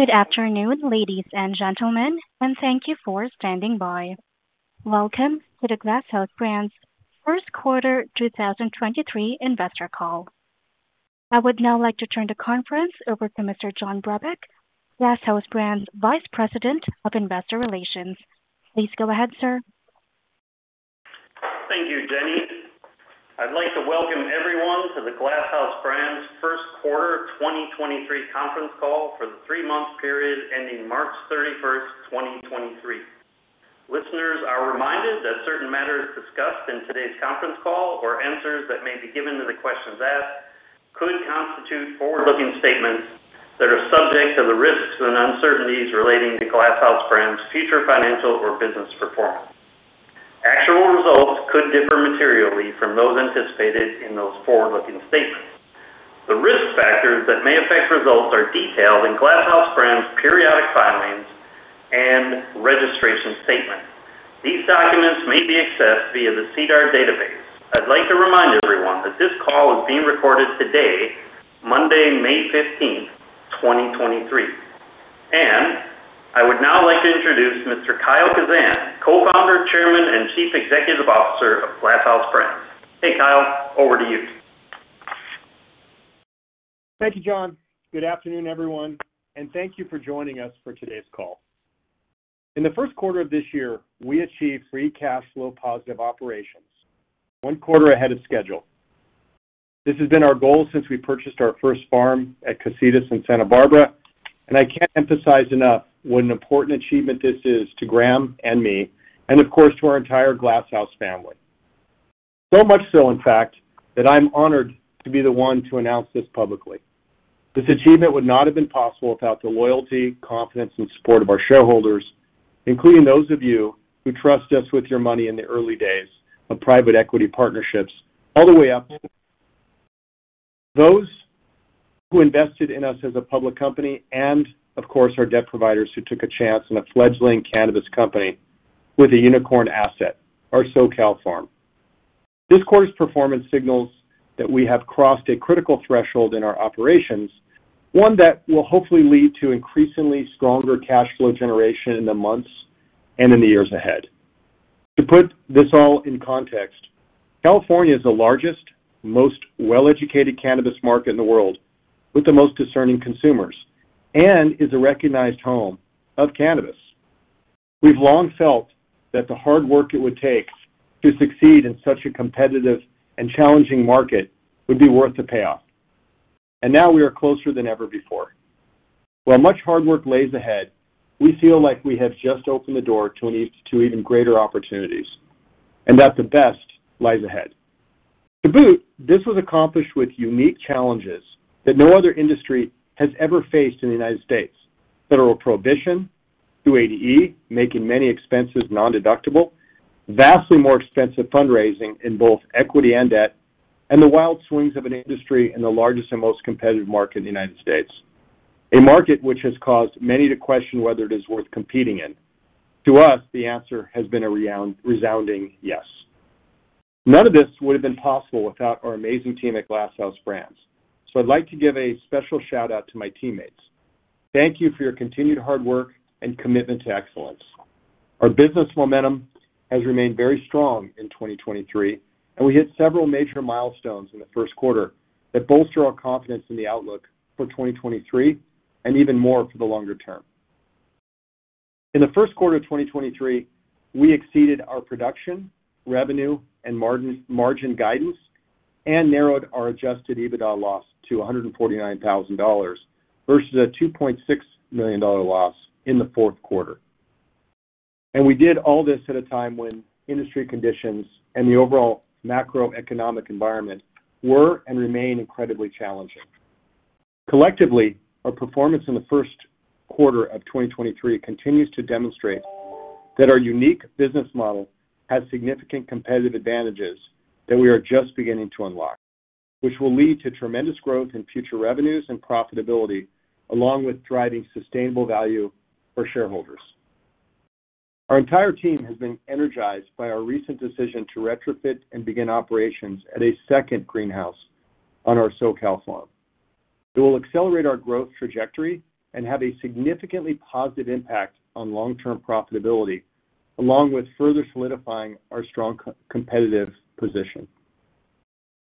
Good afternoon, ladies and gentlemen, thank you for standing by. Welcome to the Glass House Brands First Quarter 2023 Investor Call. I would now like to turn the conference over to Mr. John Brebeck, Glass House Brands Vice President of Investor Relations. Please go ahead, sir. Thank you, Jenny. I'd like to welcome everyone to the Glass House Brands First Quarter 2023 Conference Call for the three-month period ending March 31st, 2023. Listeners are reminded that certain matters discussed in today's conference call or answers that may be given to the questions asked could constitute forward-looking statements that are subject to the risks and uncertainties relating to Glass House Brands' future financial or business performance. Actual results could differ materially from those anticipated in those forward-looking statements. The risk factors that may affect results are detailed in Glass House Brands periodic filings and registration statements. These documents may be accessed via the SEDAR database. I'd like to remind everyone that this call is being recorded today, Monday, May 15th, 2023. I would now like to introduce Mr. Kyle Kazan, Co-Founder, Chairman, and Chief Executive Officer of Glass House Brands. Hey, Kyle, over to you. Thank you, John. Good afternoon, everyone, and thank you for joining us for today's call. In the first quarter of this year, we achieved free cash flow positive operations, one quarter ahead of schedule. This has been our goal since we purchased our first farm at Casitas in Santa Barbara, and I can't emphasize enough what an important achievement this is to Graham and me and, of course, to our entire Glass House family. Much so, in fact, that I'm honored to be the one to announce this publicly. This achievement would not have been possible without the loyalty, confidence, and support of our shareholders, including those of you who trust us with your money in the early days of private equity partnerships all the way up. Those who invested in us as a public company. Of course, our debt providers who took a chance on a fledgling cannabis company with a unicorn asset, our SoCal farm. This quarter's performance signals that we have crossed a critical threshold in our operations, one that will hopefully lead to increasingly stronger cash flow generation in the months and in the years ahead. To put this all in context, California is the largest, most well-educated cannabis market in the world with the most discerning consumers, and is a recognized home of cannabis. We've long felt that the hard work it would take to succeed in such a competitive and challenging market would be worth the payoff. Now we are closer than ever before. While much hard work lays ahead, we feel like we have just opened the door to even greater opportunities, and that the best lies ahead. To boot, this was accomplished with unique challenges that no other industry has ever faced in the United States. Federal prohibition, 280E, making many expenses nondeductible, vastly more expensive fundraising in both equity and debt, and the wild swings of an industry in the largest and most competitive market in the United States, a market which has caused many to question whether it is worth competing in. To us, the answer has been a resounding yes. None of this would have been possible without our amazing team at Glass House Brands. I'd like to give a special shout-out to my teammates. Thank you for your continued hard work and commitment to excellence. Our business momentum has remained very strong in 2023, and we hit several major milestones in the first quarter that bolster our confidence in the outlook for 2023 and even more for the longer term. In the first quarter of 2023, we exceeded our production, revenue, and margin guidance and narrowed our adjusted EBITDA loss to $149,000 versus a $2.6 million loss in the fourth quarter. We did all this at a time when industry conditions and the overall macroeconomic environment were and remain incredibly challenging. Collectively, our performance in the first quarter of 2023 continues to demonstrate that our unique business model has significant competitive advantages that we are just beginning to unlock, which will lead to tremendous growth in future revenues and profitability, along with driving sustainable value for shareholders. Our entire team has been energized by our recent decision to retrofit and begin operations at a second greenhouse on our SoCal farm. It will accelerate our growth trajectory and have a significantly positive impact on long-term profitability, along with further solidifying our strong co-competitive position.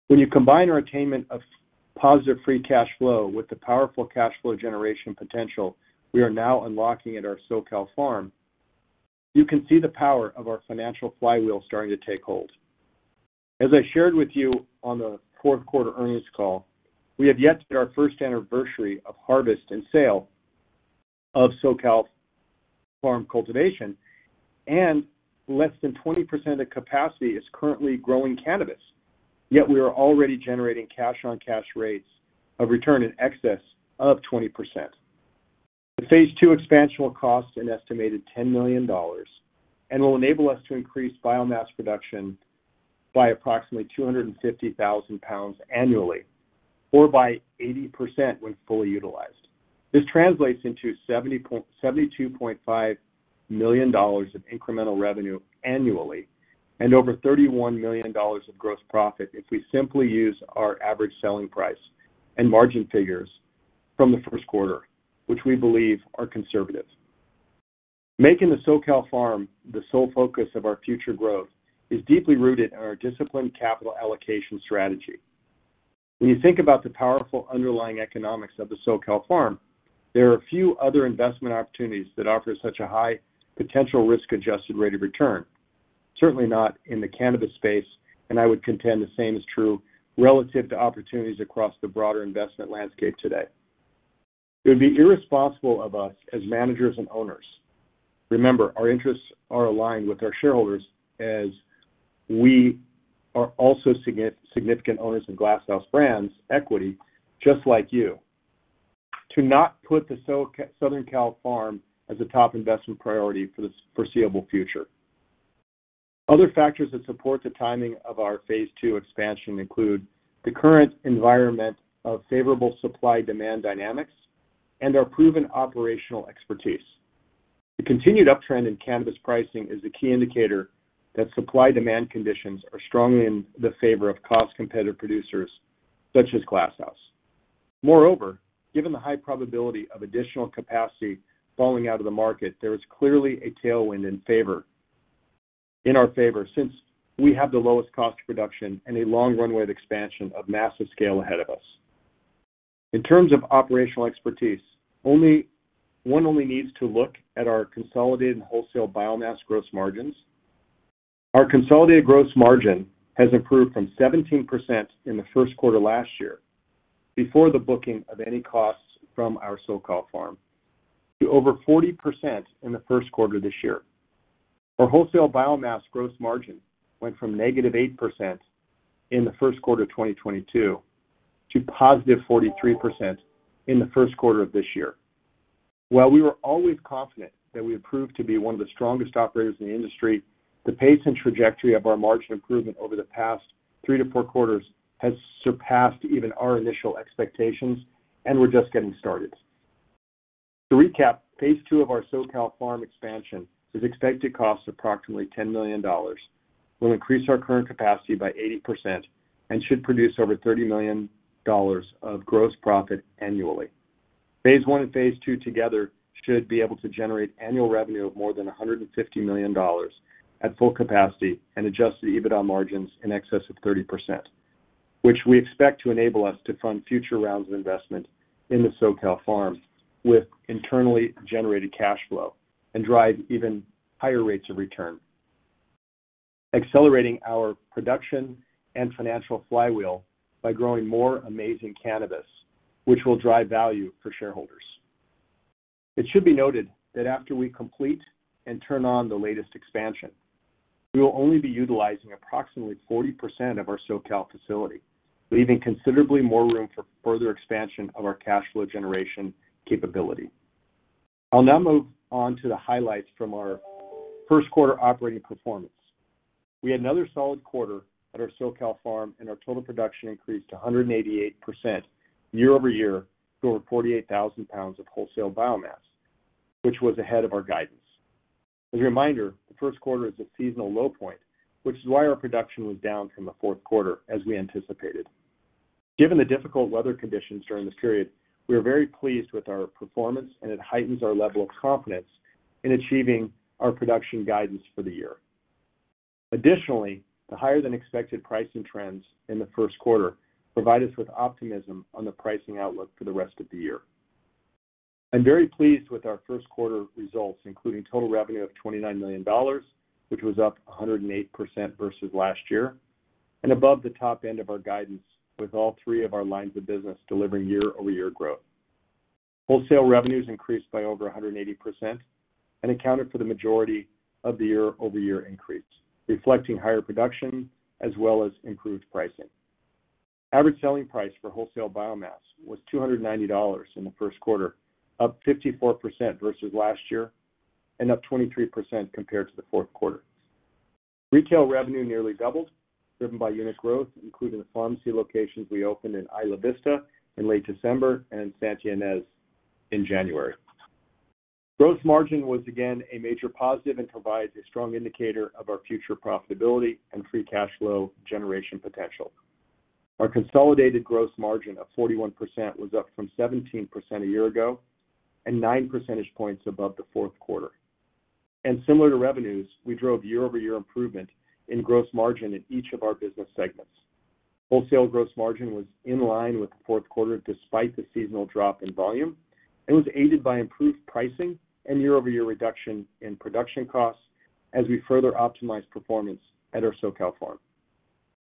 When you combine our attainment of positive free cash flow with the powerful cash flow generation potential we are now unlocking at our SoCal farm, you can see the power of our financial flywheel starting to take hold. As I shared with you on the fourth quarter earnings call, we have yet to our first anniversary of harvest and sale of SoCal farm cultivation, and less than 20% of capacity is currently growing cannabis. Yet we are already generating cash-on-cash rates of return in excess of 20%. The phase two expansion will cost an estimated $10 million and will enable us to increase biomass production by approximately 250,000 lbs annually or by 80% when fully utilized. This translates into $72.5 million of incremental revenue annually. Over $31 million of gross profit if we simply use our average selling price and margin figures from the first quarter, which we believe are conservative. Making the SoCal farm the sole focus of our future growth is deeply rooted in our disciplined capital allocation strategy. When you think about the powerful underlying economics of the SoCal farm, there are a few other investment opportunities that offer such a high potential risk-adjusted rate of return, certainly not in the cannabis space, and I would contend the same is true relative to opportunities across the broader investment landscape today. It would be irresponsible of us as managers and owners. Remember, our interests are aligned with our shareholders as we are also significant owners in Glass House Brands equity, just like you, to not put the Southern Cal Farm as a top investment priority for the foreseeable future. Other factors that support the timing of our phase two expansion include the current environment of favorable supply-demand dynamics and our proven operational expertise. The continued uptrend in cannabis pricing is a key indicator that supply-demand conditions are strongly in the favor of cost-competitive producers such as Glass House. Moreover, given the high probability of additional capacity falling out of the market, there is clearly a tailwind in our favor since we have the lowest cost of production and a long runway of expansion of massive scale ahead of us. In terms of operational expertise, one only needs to look at our consolidated wholesale biomass gross margins. Our consolidated gross margin has improved from 17% in the first quarter last year before the booking of any costs from our SoCal farm to over 40% in the first quarter this year. Our wholesale biomass gross margin went from -8% in the first quarter of 2022 to +43% in the first quarter of this year. While we were always confident that we would prove to be one of the strongest operators in the industry, the pace and trajectory of our margin improvement over the past three to four quarters has surpassed even our initial expectations, and we're just getting started. To recap, phase two of our SoCal farm expansion is expected to cost approximately $10 million. We'll increase our current capacity by 80% and should produce over $30 million of gross profit annually. Phase one and phase two together should be able to generate annual revenue of more than $150 million at full capacity and adjust the EBITDA margins in excess of 30%, which we expect to enable us to fund future rounds of investment in the SoCal farm with internally generated cash flow and drive even higher rates of return, accelerating our production and financial flywheel by growing more amazing cannabis, which will drive value for shareholders. It should be noted that after we complete and turn on the latest expansion, we will only be utilizing approximately 40% of our SoCal facility, leaving considerably more room for further expansion of our cash flow generation capability. I'll now move on to the highlights from our first quarter operating performance. We had another solid quarter at our SoCal farm, and our total production increased to 188% year-over-year to over 48,000 lbs of wholesale biomass, which was ahead of our guidance. As a reminder, the first quarter is a seasonal low point, which is why our production was down from the fourth quarter as we anticipated. Given the difficult weather conditions during this period, we are very pleased with our performance, and it heightens our level of confidence in achieving our production guidance for the year. Additionally, the higher-than-expected pricing trends in the first quarter provide us with optimism on the pricing outlook for the rest of the year. I'm very pleased with our first quarter results, including total revenue of $29 million, which was up 108% versus last year and above the top end of our guidance, with all three of our lines of business delivering year-over-year growth. Wholesale revenues increased by over 180% and accounted for the majority of the year-over-year increase, reflecting higher production as well as improved pricing. Average selling price for wholesale biomass was $290 in the first quarter, up 54% versus last year and up 23% compared to the fourth quarter. Retail revenue nearly doubled, driven by unit growth, including the Farmacy locations we opened in Isla Vista in late December and in Santa Ynez in January. Gross margin was again a major positive and provides a strong indicator of our future profitability and free cash flow generation potential. Our consolidated gross margin of 41% was up from 17% a year ago and nine percentage points above the fourth quarter. Similar to revenues, we drove year-over-year improvement in gross margin in each of our business segments. Wholesale gross margin was in line with the fourth quarter despite the seasonal drop in volume, and was aided by improved pricing and year-over-year reduction in production costs as we further optimized performance at our SoCal farm.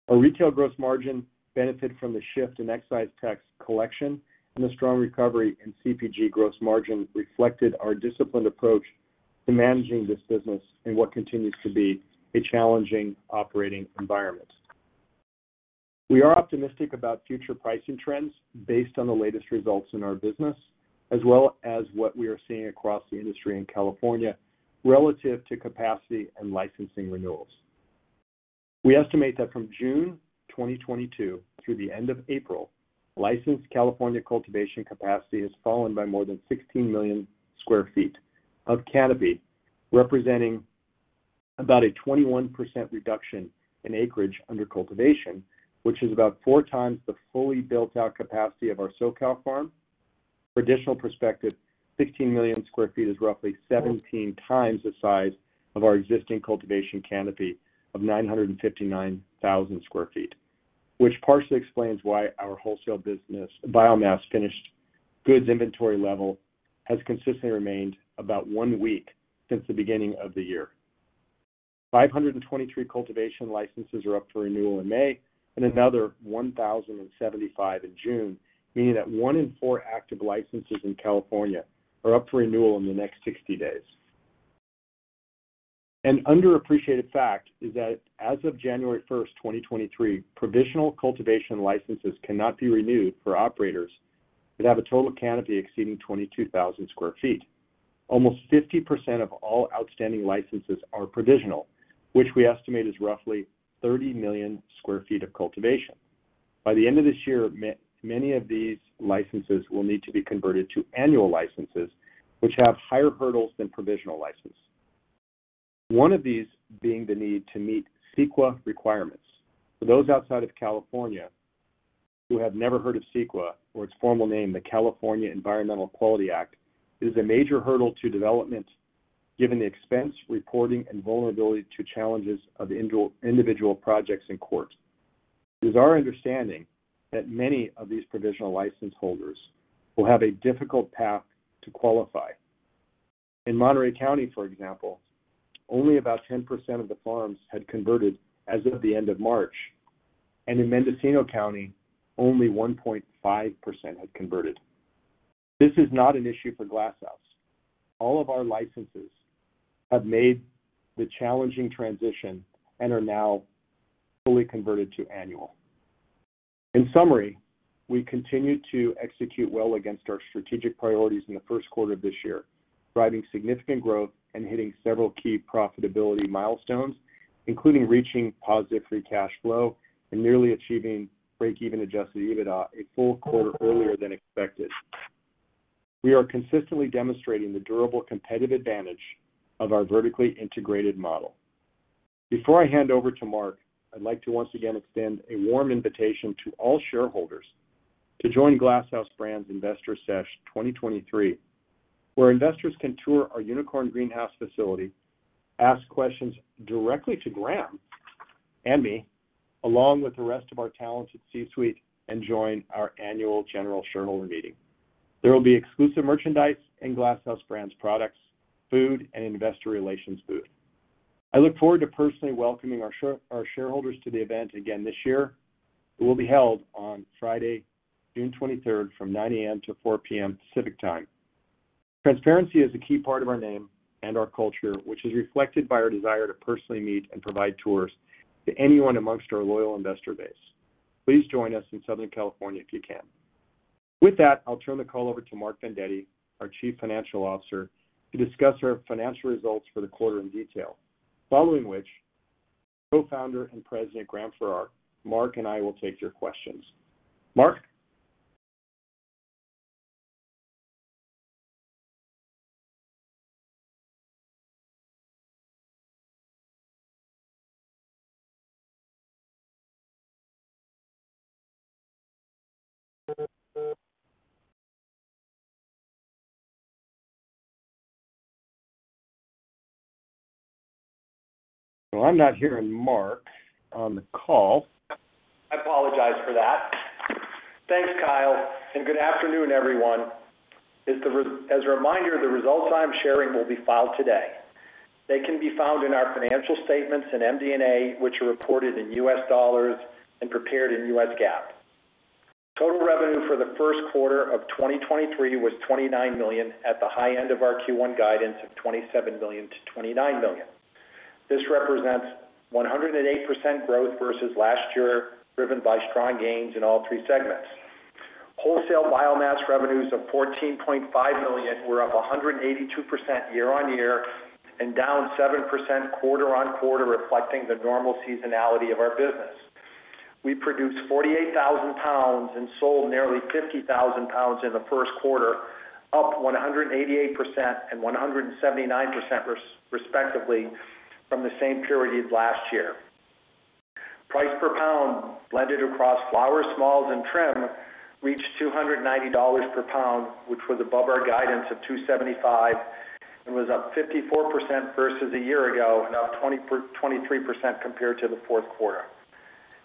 Our retail gross margin benefited from the shift in excise tax collection, and the strong recovery in CPG gross margin reflected our disciplined approach to managing this business in what continues to be a challenging operating environment. We are optimistic about future pricing trends based on the latest results in our business, as well as what we are seeing across the industry in California relative to capacity and licensing renewals. We estimate that from June 2022 through the end of April, licensed California cultivation capacity has fallen by more than 16 million sq ft of canopy, representing about a 21% reduction in acreage under cultivation, which is about four times the fully built-out capacity of our SoCal farm. For additional perspective, 16 million sq ft is roughly 17 times the size of our existing cultivation canopy of 959,000 sq ft, which partially explains why our wholesale business biomass finished goods inventory level has consistently remained about one week since the beginning of the year. 523 cultivation licenses are up for renewal in May and another 1,075 in June, meaning that one in four active licenses in California are up for renewal in the next 60 days. An underappreciated fact is that as of January 1, 2023, provisional cultivation licenses cannot be renewed for operators that have a total canopy exceeding 22,000 sq ft. Almost 50% of all outstanding licenses are provisional, which we estimate is roughly 30 million sq ft of cultivation. By the end of this year, many of these licenses will need to be converted to annual licenses, which have higher hurdles than provisional license. One of these being the need to meet CEQA requirements. For those outside of California who have never heard of CEQA, or its formal name, the California Environmental Quality Act, it is a major hurdle to development given the expense, reporting, and vulnerability to challenges of individual projects in courts. It is our understanding that many of these provisional license holders will have a difficult path to qualify. In Monterey County, for example, only about 10% of the farms had converted as of the end of March, and in Mendocino County, only 1.5% had converted. This is not an issue for Glass House. All of our licenses have made the challenging transition and are now fully converted to annual. In summary, we continue to execute well against our strategic priorities in the first quarter of this year, driving significant growth and hitting several key profitability milestones, including reaching positive free cash flow and nearly achieving breakeven adjusted EBITDA a full quarter earlier than expected. We are consistently demonstrating the durable competitive advantage of our vertically integrated model. Before I hand over to Mark, I'd like to once again extend a warm invitation to all shareholders to join Glass House Brands Investor Sesh 2023, where investors can tour our Unicorn Greenhouse facility, ask questions directly to Graham and me, along with the rest of our talented C-suite, and join our annual general shareholder meeting. There will be exclusive merchandise and Glass House Brands products, food, and investor relations booth. I look forward to personally welcoming our shareholders to the event again this year. It will be held on Friday, June 23rd from 9:00 A.M. to 4:00 P.M. Pacific Time. Transparency is a key part of our name and our culture, which is reflected by our desire to personally meet and provide tours to anyone amongst our loyal investor base. Please join us in Southern California if you can. With that, I'll turn the call over to Mark Vendetti, our Chief Financial Officer, to discuss our financial results for the quarter in detail, following which Co-founder and President Graham Farrar, Mark, and I will take your questions. Mark? Well, I'm not hearing Mark on the call. I apologize for that. Thanks, Kyle, good afternoon, everyone. As a reminder, the results I'm sharing will be filed today. They can be found in our financial statements in MD&A, which are reported in U.S. dollars and prepared in U.S. GAAP. Total revenue for the first quarter of 2023 was $29 million at the high end of our Q1 guidance of $27 million-$29 million. This represents 108% growth versus last year, driven by strong gains in all three segments. Wholesale biomass revenues of $14.5 million were up 182% year-on-year and down 7% quarter-on-quarter, reflecting the normal seasonality of our business. We produced 48,000 lbs and sold nearly 50,000 lbs in the first quarter, up 188% and 179% respectively from the same period last year. Price per pound blended across flower, smalls, and trim reached $290 per pound, which was above our guidance of $275 and was up 54% versus a year ago and up 23% compared to the fourth quarter.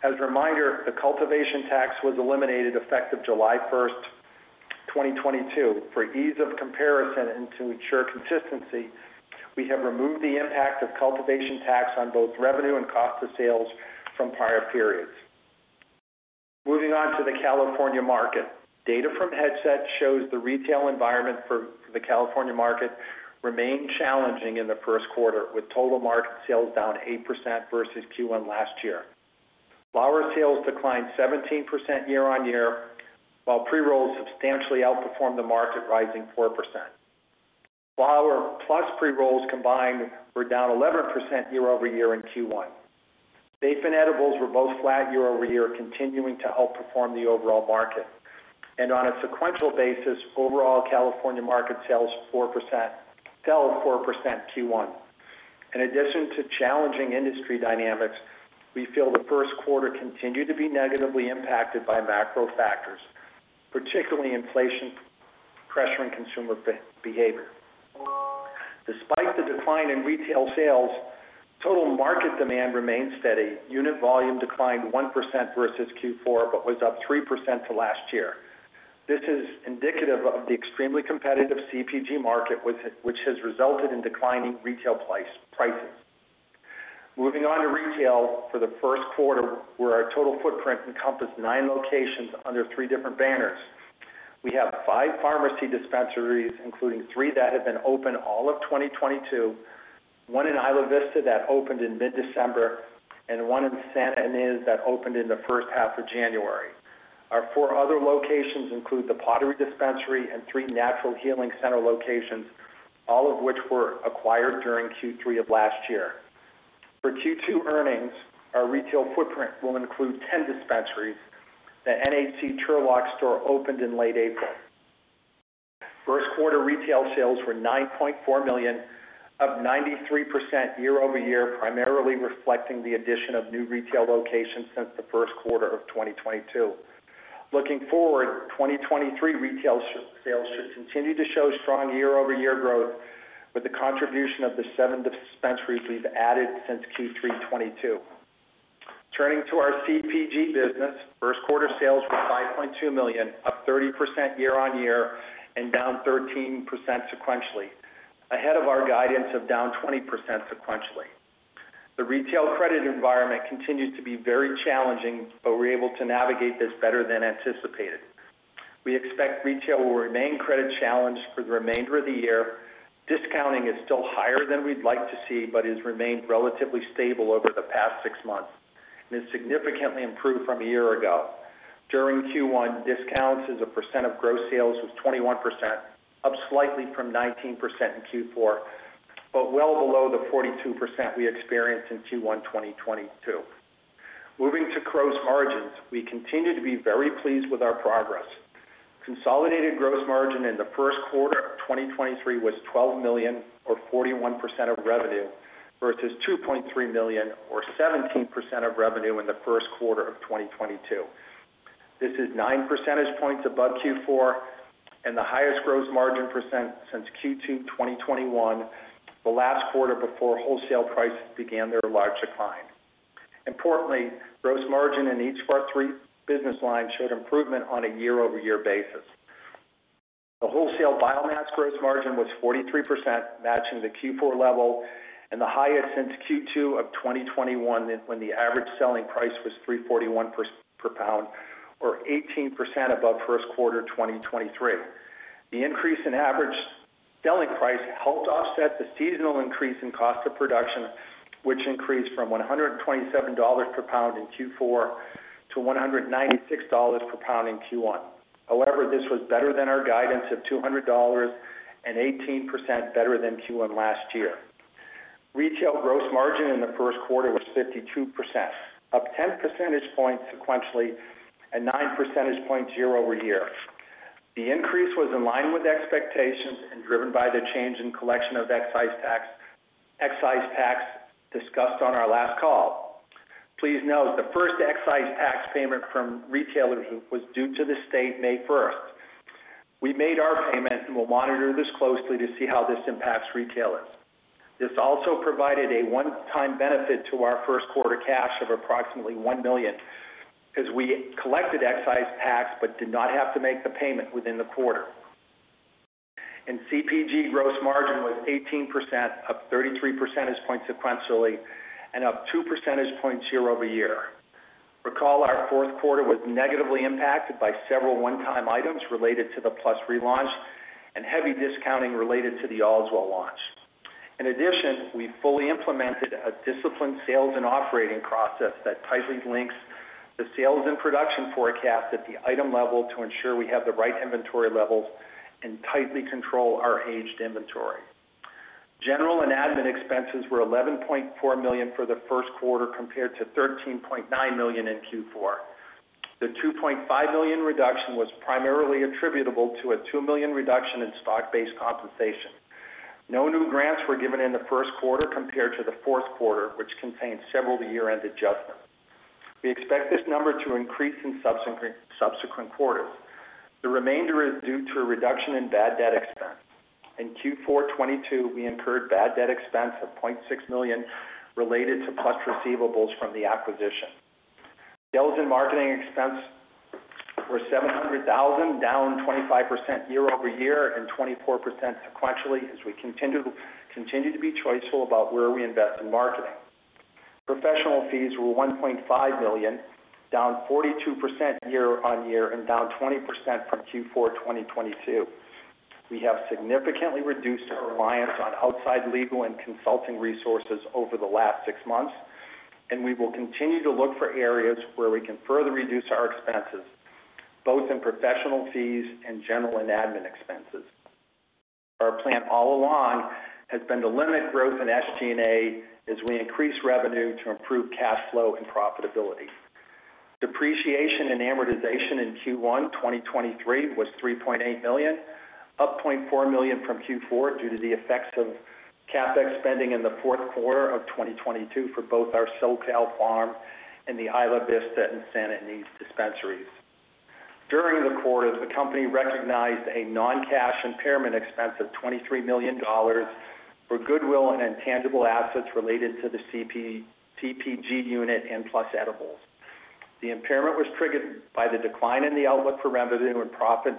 As a reminder, the cultivation tax was eliminated effective July 1st, 2022. For ease of comparison and to ensure consistency, we have removed the impact of cultivation tax on both revenue and cost of sales from prior periods. Moving on to the California market. Data from Headset shows the retail environment for the California market remained challenging in the first quarter, with total market sales down 8% versus Q1 last year. Flower sales declined 17% year-on-year, while pre-rolls substantially outperformed the market, rising 4%. Flower plus pre-rolls combined were down 11% year-over-year in Q1. Vape and edibles were both flat year-over-year, continuing to outperform the overall market. On a sequential basis, overall California market sales fell 4% Q1. In addition to challenging industry dynamics, we feel the first quarter continued to be negatively impacted by macro factors, particularly inflation pressuring consumer behavior. Despite the decline in retail sales, total market demand remains steady. Unit volume declined 1% versus Q4, but was up 3% to last year. This is indicative of the extremely competitive CPG market, which has resulted in declining retail prices. Moving on to retail for the first quarter, where our total footprint encompassed nine locations under three different banners. We have five Farmacy dispensaries, including three that have been open all of 2022, one in Isla Vista that opened in mid-December, and one in Santa Ynez that opened in the first half of January. Our four other locations include The Pottery Dispensary and three Natural Healing Center locations, all of which were acquired during Q3 of last year. For Q2 earnings, our retail footprint will include 10 dispensaries. The NHC Turlock store opened in late April. First quarter retail sales were $9.4 million, up 93% year-over-year, primarily reflecting the addition of new retail locations since the first quarter of 2022. Looking forward, 2023 retail sales should continue to show strong year-over-year growth with the contribution of the seven dispensaries we've added since Q3 2022. Turning to our CPG business, first quarter sales were $5.2 million, up 30% year-on-year and down 13% sequentially, ahead of our guidance of down 20% sequentially. The retail credit environment continued to be very challenging, but we're able to navigate this better than anticipated. We expect retail will remain credit-challenged for the remainder of the year. Discounting is still higher than we'd like to see, but has remained relatively stable over the past six months and has significantly improved from a year ago. During Q1, discounts as a percent of gross sales was 21%, up slightly from 19% in Q4, but well below the 42% we experienced in Q1 2022. Moving to gross margins, we continue to be very pleased with our progress. Consolidated gross margin in the first quarter of 2023 was $12 million or 41% of revenue, versus $2.3 million or 17% of revenue in the first quarter of 2022. This is nine percentage points above Q4 and the highest gross margin % since Q2 2021, the last quarter before wholesale prices began their large decline. Importantly, gross margin in each of our three business lines showed improvement on a year-over-year basis. The wholesale biomass gross margin was 43%, matching the Q4 level and the highest since Q2 of 2021, when the average selling price was $341 per pound or 18% above first quarter 2023. The increase in average selling price helped offset the seasonal increase in cost of production, which increased from $127 per pound in Q4 to $196 per pound in Q1. However, this was better than our guidance of $200 and 18% better than Q1 last year. Retail gross margin in the first quarter was 52%, up 10 percentage points sequentially and nine percentage points year-over-year. The increase was in line with expectations and driven by the change in collection of excise tax, excise tax discussed on our last call. Please note, the first excise tax payment from retailers was due to the state May 1st. We made our payment and will monitor this closely to see how this impacts retailers. This also provided a one-time benefit to our first quarter cash of approximately $1 million as we collected excise tax but did not have to make the payment within the quarter. CPG gross margin was 18%, up 33 percentage points sequentially and up two percentage points year-over-year. Recall, our fourth quarter was negatively impacted by several one-time items related to the PLUS relaunch and heavy discounting related to the Allswell launch. In addition, we fully implemented a disciplined sales and operating process that tightly links the sales and production forecast at the item level to ensure we have the right inventory levels and tightly control our aged inventory. General and admin expenses were $11.4 million for the first quarter, compared to $13.9 million in Q4. The $2.5 million reduction was primarily attributable to a $2 million reduction in stock-based compensation. No new grants were given in the first quarter compared to the fourth quarter, which contained several year-end adjustments. We expect this number to increase in subsequent quarters. The remainder is due to a reduction in bad debt expense. In Q4 2022, we incurred bad debt expense of $0.6 million related to PLUS receivables from the acquisition. Sales and marketing expense were $700,000, down 25% year-over-year and 24% sequentially as we continue to be choiceful about where we invest in marketing. Professional fees were $1.5 million, down 42% year-on-year and down 20% from Q4 2022. We have significantly reduced our reliance on outside legal and consulting resources over the last six months, and we will continue to look for areas where we can further reduce our expenses. Both in professional fees and general and admin expenses. Our plan all along has been to limit growth in SG&A as we increase revenue to improve cash flow and profitability. Depreciation and amortization in Q1 2023 was $3.8 million, up $0.4 million from Q4 due to the effects of CapEx spending in the fourth quarter of 2022 for both our SoCal farm and the Isla Vista and Santa Ynez dispensaries. During the quarter, the company recognized a non-cash impairment expense of $23 million for goodwill and intangible assets related to the CPG unit and PLUS Edibles. The impairment was triggered by the decline in the outlook for revenue and profit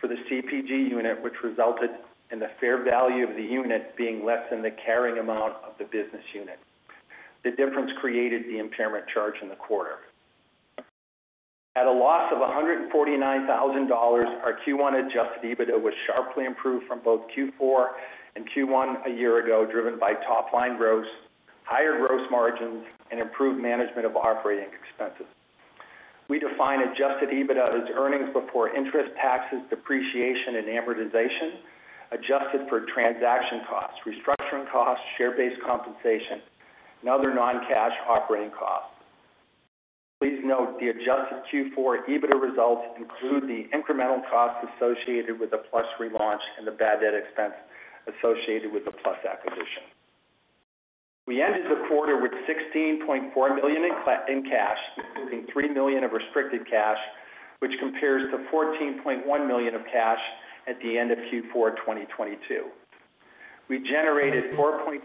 for the CPG unit, which resulted in the fair value of the unit being less than the carrying amount of the business unit. The difference created the impairment charge in the quarter. At a loss of $149,000, our Q1 Adjusted EBITDA was sharply improved from both Q4 and Q1 a year ago, driven by top line gross, higher gross margins, and improved management of operating expenses. We define adjusted EBITDA as earnings before interest, taxes, depreciation, and amortization, adjusted for transaction costs, restructuring costs, share-based compensation, and other non-cash operating costs. Please note the adjusted Q4 adjusted EBITDA results include the incremental costs associated with the PLUS relaunch and the bad debt expense associated with the PLUS acquisition. We ended the quarter with $16.4 million in cash, including $3 million of restricted cash, which compares to $14.1 million of cash at the end of Q4 2022. We generated $4.5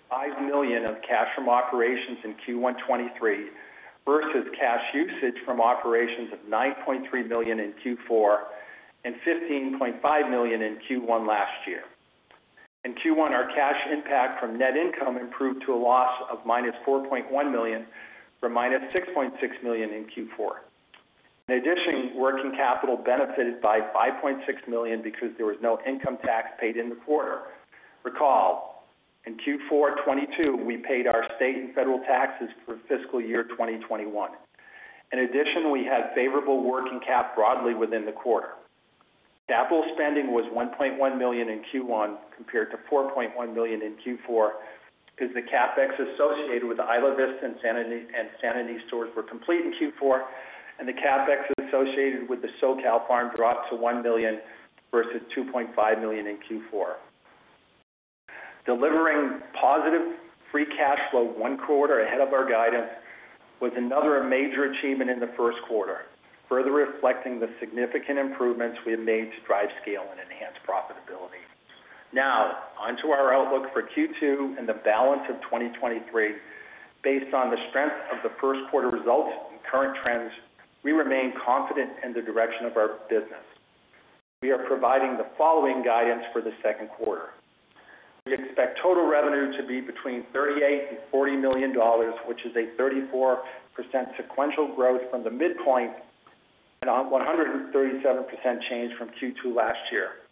million of cash from operations in Q1 2023 versus cash usage from operations of $9.3 million in Q4 and $15.5 million in Q1 last year. In Q1, our cash impact from net income improved to a loss of -$4.1 million from -$6.6 million in Q4. In addition, working capital benefited by $5.6 million because there was no income tax paid in the quarter. Recall, in Q4 2022, we paid our state and federal taxes for fiscal year 2021. In addition, we had favorable working cap broadly within the quarter. Capital spending was $1.1 million in Q1 compared to $4.1 million in Q4 because the CapEx associated with the Isla Vista and Santa Ynez stores were complete in Q4, and the CapEx associated with the SoCal farm dropped to $1 million versus $2.5 million in Q4. Delivering positive free cash flow one quarter ahead of our guidance was another major achievement in the first quarter, further reflecting the significant improvements we have made to drive scale and enhance profitability. On to our outlook for Q2 and the balance of 2023. Based on the strength of the first quarter results and current trends, we remain confident in the direction of our business. We are providing the following guidance for the second quarter. We expect total revenue to be between $38 million and $40 million, which is a 34% sequential growth from the midpoint and a 137% change from Q2 last year.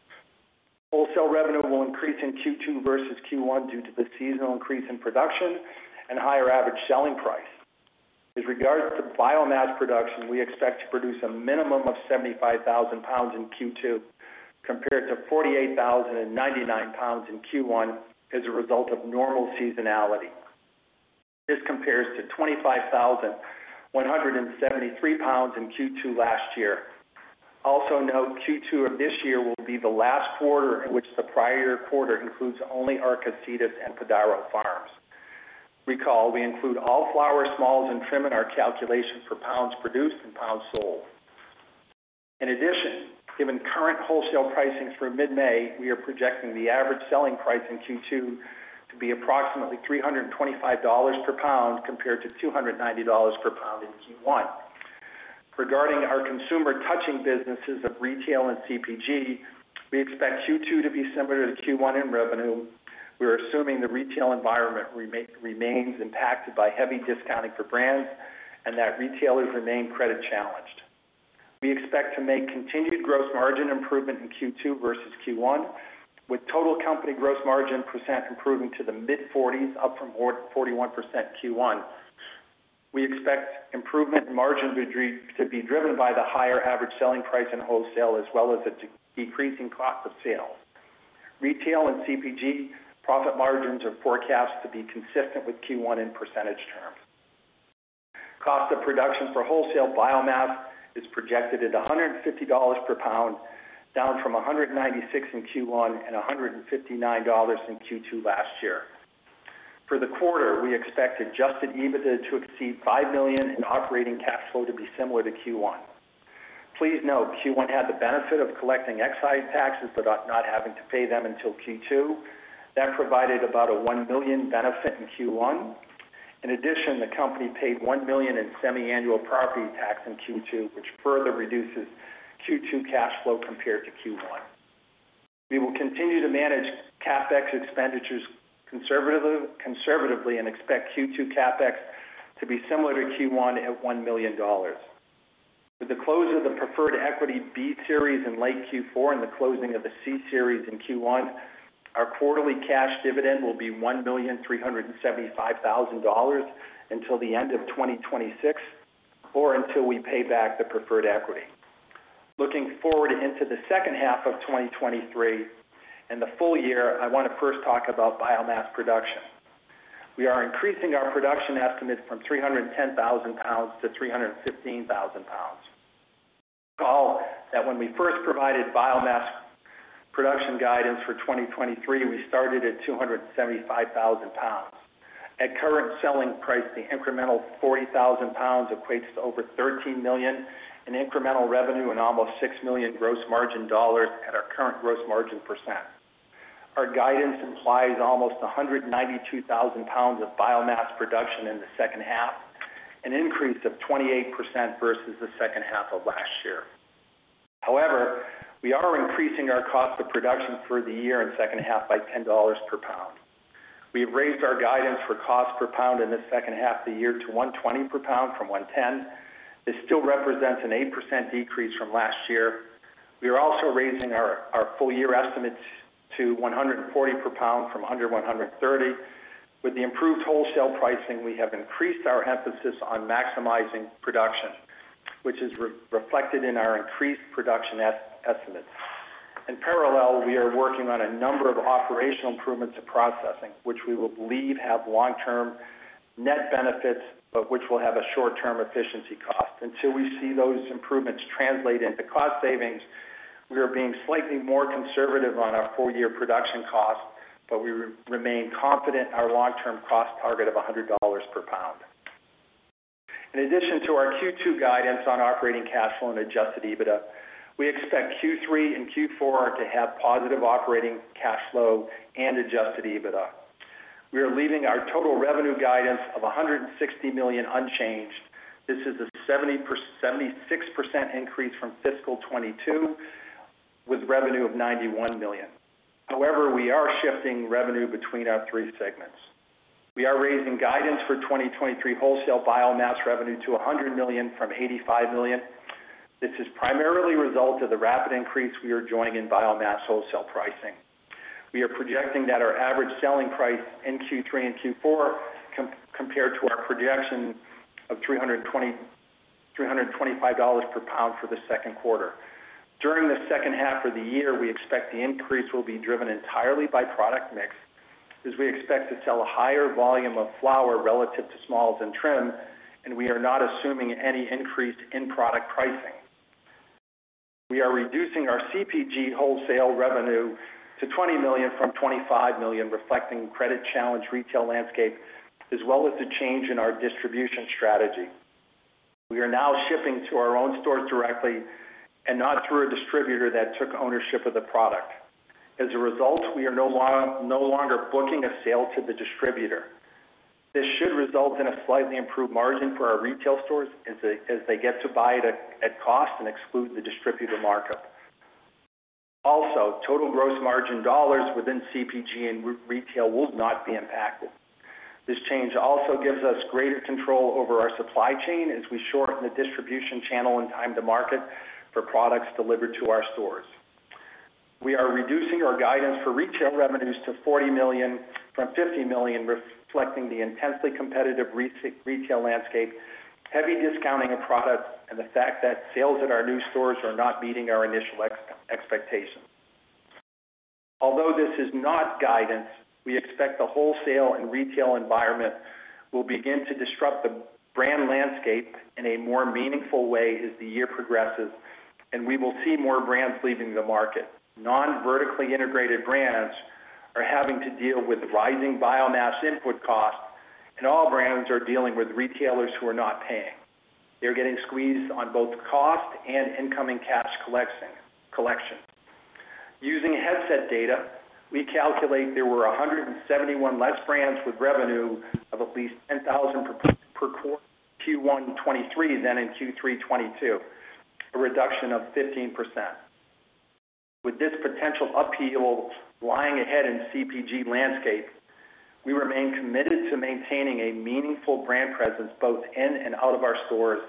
Wholesale revenue will increase in Q2 versus Q1 due to the seasonal increase in production and higher average selling price. With regards to biomass production, we expect to produce a minimum of 75,000 lbs in Q2 compared to 48,099 lbs in Q1 as a result of normal seasonality. This compares to 25,173 lbs in Q2 last year. Also note Q2 of this year will be the last quarter in which the prior quarter includes only our Casitas and Padaro farms. Recall we include all flower, smalls, and trim in our calculation for pounds produced and pounds sold. Given current wholesale pricing through mid-May, we are projecting the average selling price in Q2 to be approximately $325 per pound compared to $290 per pound in Q1. Regarding our consumer-touching businesses of retail and CPG, we expect Q2 to be similar to Q1 in revenue. We are assuming the retail environment remains impacted by heavy discounting for brands and that retailers remain credit-challenged. We expect to make continued gross margin improvement in Q2 versus Q1, with total company gross margin percent improving to the mid-forties, up from 41% Q1. We expect improvement in margin to be driven by the higher average selling price in wholesale as well as a decreasing cost of sales. Retail and CPG profit margins are forecast to be consistent with Q1 in percentage terms. Cost of production for wholesale biomass is projected at $150 per pound, down from $196 in Q1 and $159 in Q2 last year. For the quarter, we expect adjusted EBITDA to exceed $5 million and operating cash flow to be similar to Q1. Please note Q1 had the benefit of collecting excise taxes without not having to pay them until Q2. That provided about a $1 million benefit in Q1. The company paid $1 million in semiannual property tax in Q2, which further reduces Q2 cash flow compared to Q1. We will continue to manage CapEx expenditures conservatively and expect Q2 CapEx to be similar to Q1 at $1 million. With the close of the preferred equity Series B in late Q4 and the closing of the Series C in Q1, our quarterly cash dividend will be $1,375,000 until the end of 2026 or until we pay back the preferred equity. Looking forward into the second half of 2023 and the full year, I want to first talk about biomass production. We are increasing our production estimates from 310,000 lb-315,000 lb. Call that when we first provided biomass production guidance for 2023, we started at 275,000 lbs. At current selling price, the incremental 40,000 lbs equates to over $13 million in incremental revenue and almost $6 million gross margin dollars at our current gross margin percent. Our guidance implies almost 192,000 lbs of biomass production in the second half, an increase of 28% versus the second half of last year. We are increasing our cost of production for the year and second half by $10 per pound. We have raised our guidance for cost per pound in the second half of the year to $1.20 per pound from $1.10. This still represents an 8% decrease from last year. We are also raising our full-year estimates to $1.40 per pound from $1.30. With the improved wholesale pricing, we have increased our emphasis on maximizing production, which is reflected in our increased production estimates. In parallel, we are working on a number of operational improvements to processing, which we believe have long-term net benefits, but which will have a short-term efficiency cost. Until we see those improvements translate into cost savings, we are being slightly more conservative on our full-year production cost, but we remain confident in our long-term cost target of $100 per pound. In addition to our Q2 guidance on operating cash flow and adjusted EBITDA, we expect Q3 and Q4 to have positive operating cash flow and adjusted EBITDA. We are leaving our total revenue guidance of $160 million unchanged. This is a 76% increase from fiscal 2022 with revenue of $91 million. We are shifting revenue between our three segments. We are raising guidance for 2023 wholesale biomass revenue to $100 million from $85 million. This is primarily a result of the rapid increase we are enjoying biomass wholesale pricing. We are projecting that our average selling price in Q3 and Q4 compared to our projection of $320-$325 per pound for the second quarter. During the second half of the year, we expect the increase will be driven entirely by product mix as we expect to sell a higher volume of flower relative to smalls and trim. We are not assuming any increase in product pricing. We are reducing our CPG wholesale revenue to $20 million from $25 million, reflecting credit-challenged retail landscape as well as the change in our distribution strategy. We are now shipping to our own stores directly and not through a distributor that took ownership of the product. As a result, we are no longer booking a sale to the distributor. This should result in a slightly improved margin for our retail stores as they get to buy it at cost and exclude the distributor markup. Total gross margin dollars within CPG and retail will not be impacted. This change also gives us greater control over our supply chain as we shorten the distribution channel and time to market for products delivered to our stores. We are reducing our guidance for retail revenues to $40 million from $50 million, reflecting the intensely competitive retail landscape, heavy discounting of products, and the fact that sales at our new stores are not meeting our initial expectations. Although this is not guidance, we expect the wholesale and retail environment will begin to disrupt the brand landscape in a more meaningful way as the year progresses. We will see more brands leaving the market. Non-vertically integrated brands are having to deal with rising biomass input costs. All brands are dealing with retailers who are not paying. They are getting squeezed on both cost and incoming cash collection. Using Headset data, we calculate there were 171 less brands with revenue of at least $10,000 per quarter Q1 2023 than in Q3 2022, a reduction of 15%. With this potential upheaval lying ahead in CPG landscape, we remain committed to maintaining a meaningful brand presence both in and out of our stores,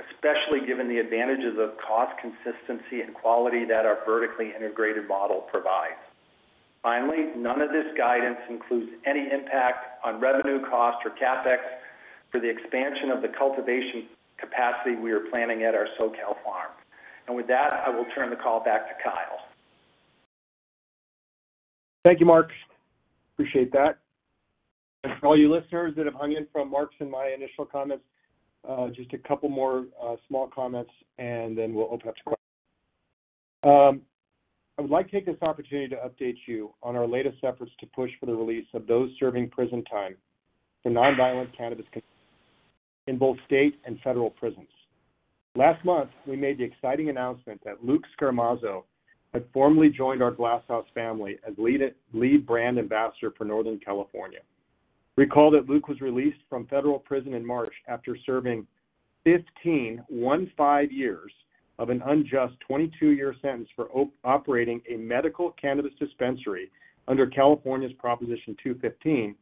especially given the advantages of cost consistency and quality that our vertically integrated model provides. Finally, none of this guidance includes any impact on revenue, cost, or CapEx for the expansion of the cultivation capacity we are planning at our SoCal farm. With that, I will turn the call back to Kyle. Thank you, Mark. Appreciate that. For all you listeners that have hung in from Mark's and my initial comments, just a couple more small comments, and then we'll open up to questions. I would like to take this opportunity to update you on our latest efforts to push for the release of those serving prison time for non-violent cannabis in both state and federal prisons. Last month, we made the exciting announcement that Luke Scarmazzo had formally joined our Glass House family as lead brand ambassador for Northern California. Recall that Luke was released from federal prison in March after serving 15 years of an unjust 22-year sentence for operating a medical cannabis dispensary under California's Proposition 215,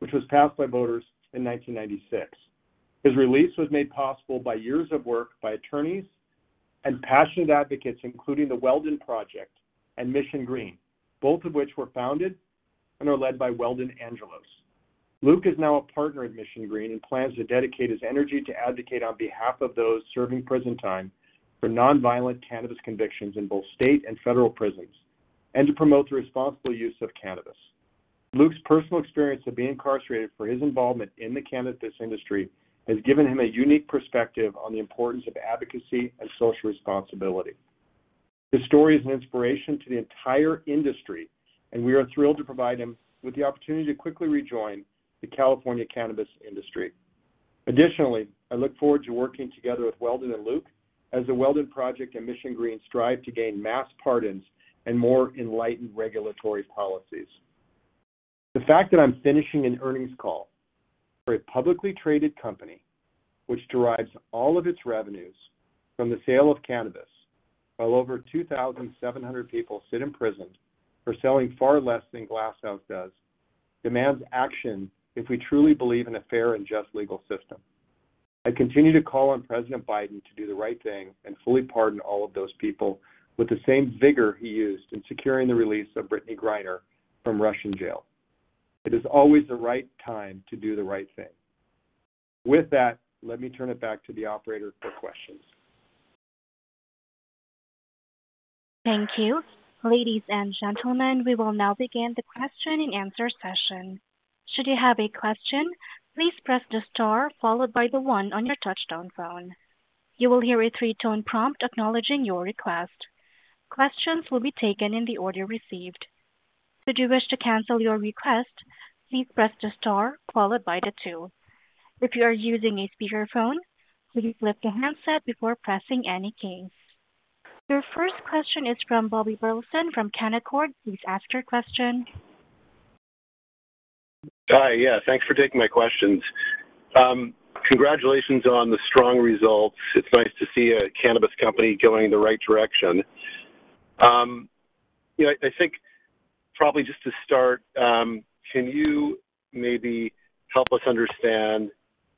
which was passed by voters in 1996. His release was made possible by years of work by attorneys and passionate advocates, including The Weldon Project and Mission Green, both of which were founded and are led by Weldon Angelos. Luke is now a partner at Mission Green and plans to dedicate his energy to advocate on behalf of those serving prison time for non-violent cannabis convictions in both state and federal prisons, and to promote the responsible use of cannabis. Luke's personal experience of being incarcerated for his involvement in the cannabis industry has given him a unique perspective on the importance of advocacy and social responsibility. His story is an inspiration to the entire industry, and we are thrilled to provide him with the opportunity to quickly rejoin the California cannabis industry. Additionally, I look forward to working together with Weldon and Luke as The Weldon Project and Mission Green strive to gain mass pardons and more enlightened regulatory policies. The fact that I'm finishing an earnings call for a publicly traded company which derives all of its revenues from the sale of cannabis, while over 2,700 people sit in prison for selling far less than Glass House Brands does, demands action if we truly believe in a fair and just legal system. I continue to call on President Biden to do the right thing and fully pardon all of those people with the same vigor he used in securing the release of Brittney Griner from Russian jail. It is always the right time to do the right thing. With that, let me turn it back to the operator for questions. Thank you. Ladies and gentlemen, we will now begin the question-and-answer session. Should you have a question, please press the star followed by the one on your touch-tone phone. You will hear a three-tone prompt acknowledging your request. Questions will be taken in the order received. Should you wish to cancel your request, please press the star followed by the two. If you are using a speakerphone, please lift the handset before pressing any keys. Your first question is from Bobby Burleson from Canaccord. Please ask your question. Hi. Yeah, thanks for taking my questions. Congratulations on the strong results. It's nice to see a cannabis company going the right direction. You know, I think probably just to start, can you maybe help us understand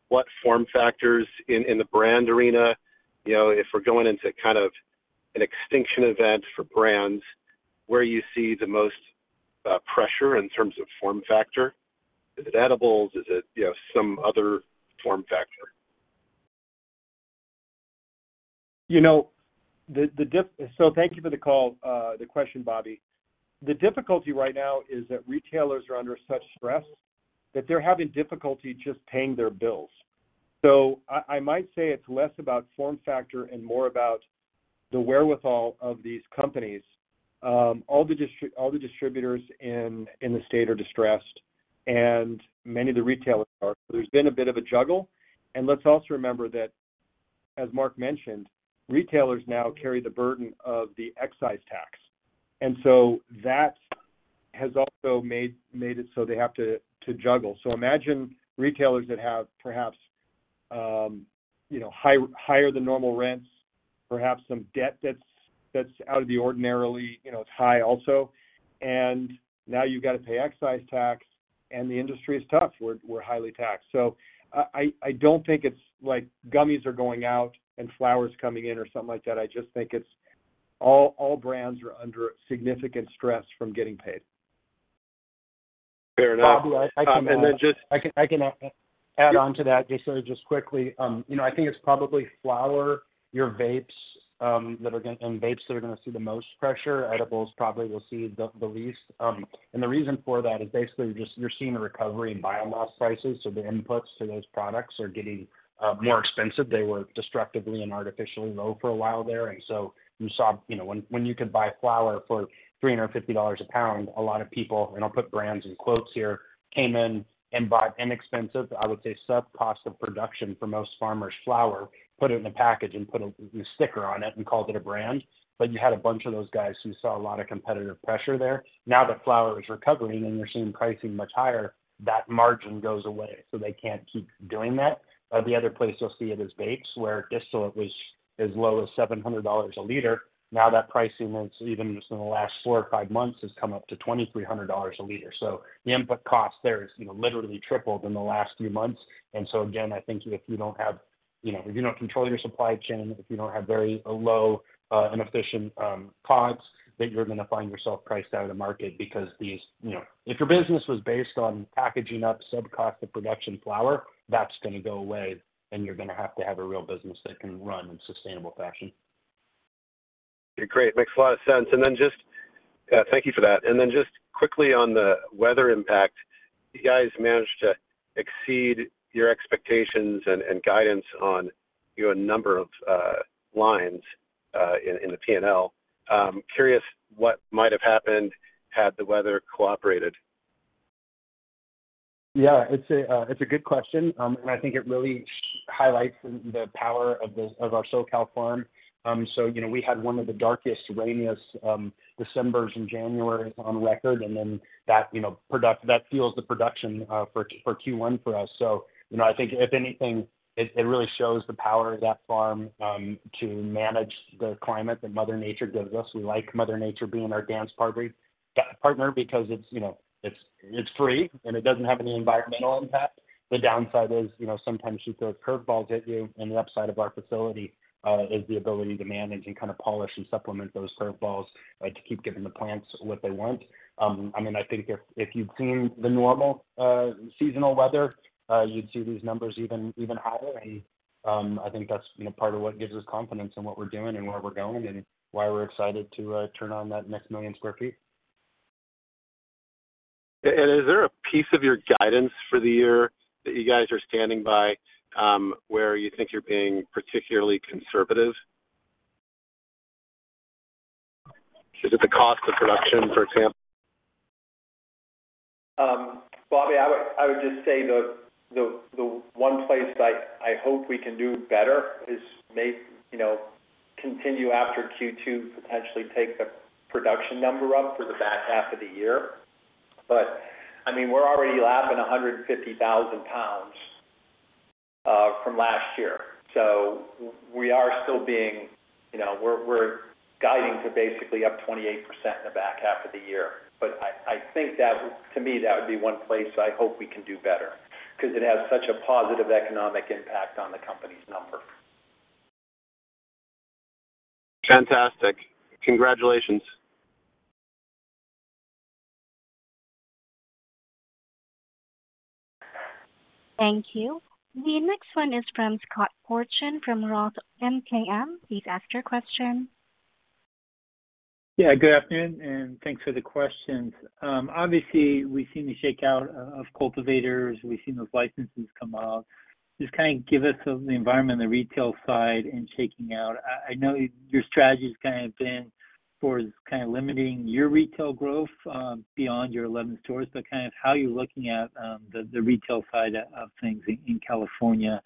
what form factors in the brand arena, you know, if we're going into kind of an extinction event for brands, where you see the most pressure in terms of form factor? Is it edibles? Is it, you know, some other form factor? You know, the difficulty. Thank you for the call, the question, Bobby. The difficulty right now is that retailers are under such stress that they're having difficulty just paying their bills. I might say it's less about form factor and more about the wherewithal of these companies. All the distributors in the state are distressed, and many of the retailers are. There's been a bit of a juggle. Let's also remember that, as Mark mentioned, retailers now carry the burden of the excise tax, that has also made it so they have to juggle. Imagine retailers that have perhaps, you know, higher than normal rents, perhaps some debt that's out of the ordinarily, you know, high also, now you've got to pay excise tax, the industry is tough. We're highly taxed. I don't think it's like gummies are going out and flower's coming in or something like that. I just think it's all brands are under significant stress from getting paid. Fair enough. Bobby, I can. then just- I can add on to that just so just quickly. You know, I think it's probably flower, your vapes, that are gonna see the most pressure. Edibles probably will see the least. The reason for that is basically just you're seeing a recovery in biomass prices, so the inputs to those products are getting more expensive. They were destructively and artificially low for a while there. So you saw, you know, when you could buy flower for $350 a pound, a lot of people, and I'll put brands in quotes here, came in and bought inexpensive, I would say sub-cost of production for most farmers, flower, put it in a package and put a sticker on it and called it a brand. You had a bunch of those guys who saw a lot of competitive pressure there. Now that flower is recovering and you're seeing pricing much higher, that margin goes away, so they can't keep doing that. The other place you'll see it is vapes, where distillate was as low as $700 a liter. That pricing was even just in the last four or five months has come up to $2,300 a liter. The input cost there is, you know, literally tripled in the last few months. Again, I think if you don't have, you know, if you don't control your supply chain, if you don't have very low and efficient costs, then you're gonna find yourself priced out of the market because these, you know. If your business was based on packaging up sub-cost of production flower, that's gonna go away, and you're gonna have to have a real business that can run in sustainable fashion. Okay, great. Makes a lot of sense. Thank you for that. Quickly on the weather impact, you guys managed to exceed your expectations and guidance on, you know, a number of lines in the P&L. Curious what might have happened had the weather cooperated. It's a good question, and I think it really highlights the power of our SoCal farm. You know, we had one of the darkest rainiest Decembers and Januarys on record, and then that, you know, that fuels the production for Q1 for us. You know, I think if anything, it really shows the power of that farm to manage the climate that Mother Nature gives us. We like Mother Nature being our dance partner because it's, you know, it's free and it doesn't have any environmental impact. The downside is, you know, sometimes she throws curveballs at you, and the upside of our facility is the ability to manage and kind of polish and supplement those curveballs to keep giving the plants what they want. I mean, I think if you'd seen the normal seasonal weather, you'd see these numbers even higher. I think that's, you know, part of what gives us confidence in what we're doing and where we're going and why we're excited to turn on that next one million sq ft. Is there a piece of your guidance for the year that you guys are standing by, where you think you're being particularly conservative? Is it the cost of production, for example? Bobby, I would just say the one place I hope we can do better is make, you know, continue after Q2, potentially take the production number up for the back half of the year. I mean, we're already lapping 150,000 lbs from last year, so we are still being, you know, we're guiding to basically up 28% in the back half of the year. I think that, to me, that would be one place I hope we can do better because it has such a positive economic impact on the company's number. Fantastic. Congratulations. Thank you. The next one is from Scott Fortune from ROTH MKM. Please ask your question. Yeah, good afternoon, thanks for the questions. Obviously, we've seen the shakeout of cultivators, we've seen those licenses come out. Just kind of give us the environment on the retail side in shaking out. I know your strategy has kind of been towards kind of limiting your retail growth, beyond your 11 stores, kind of how you're looking at the retail side of things in California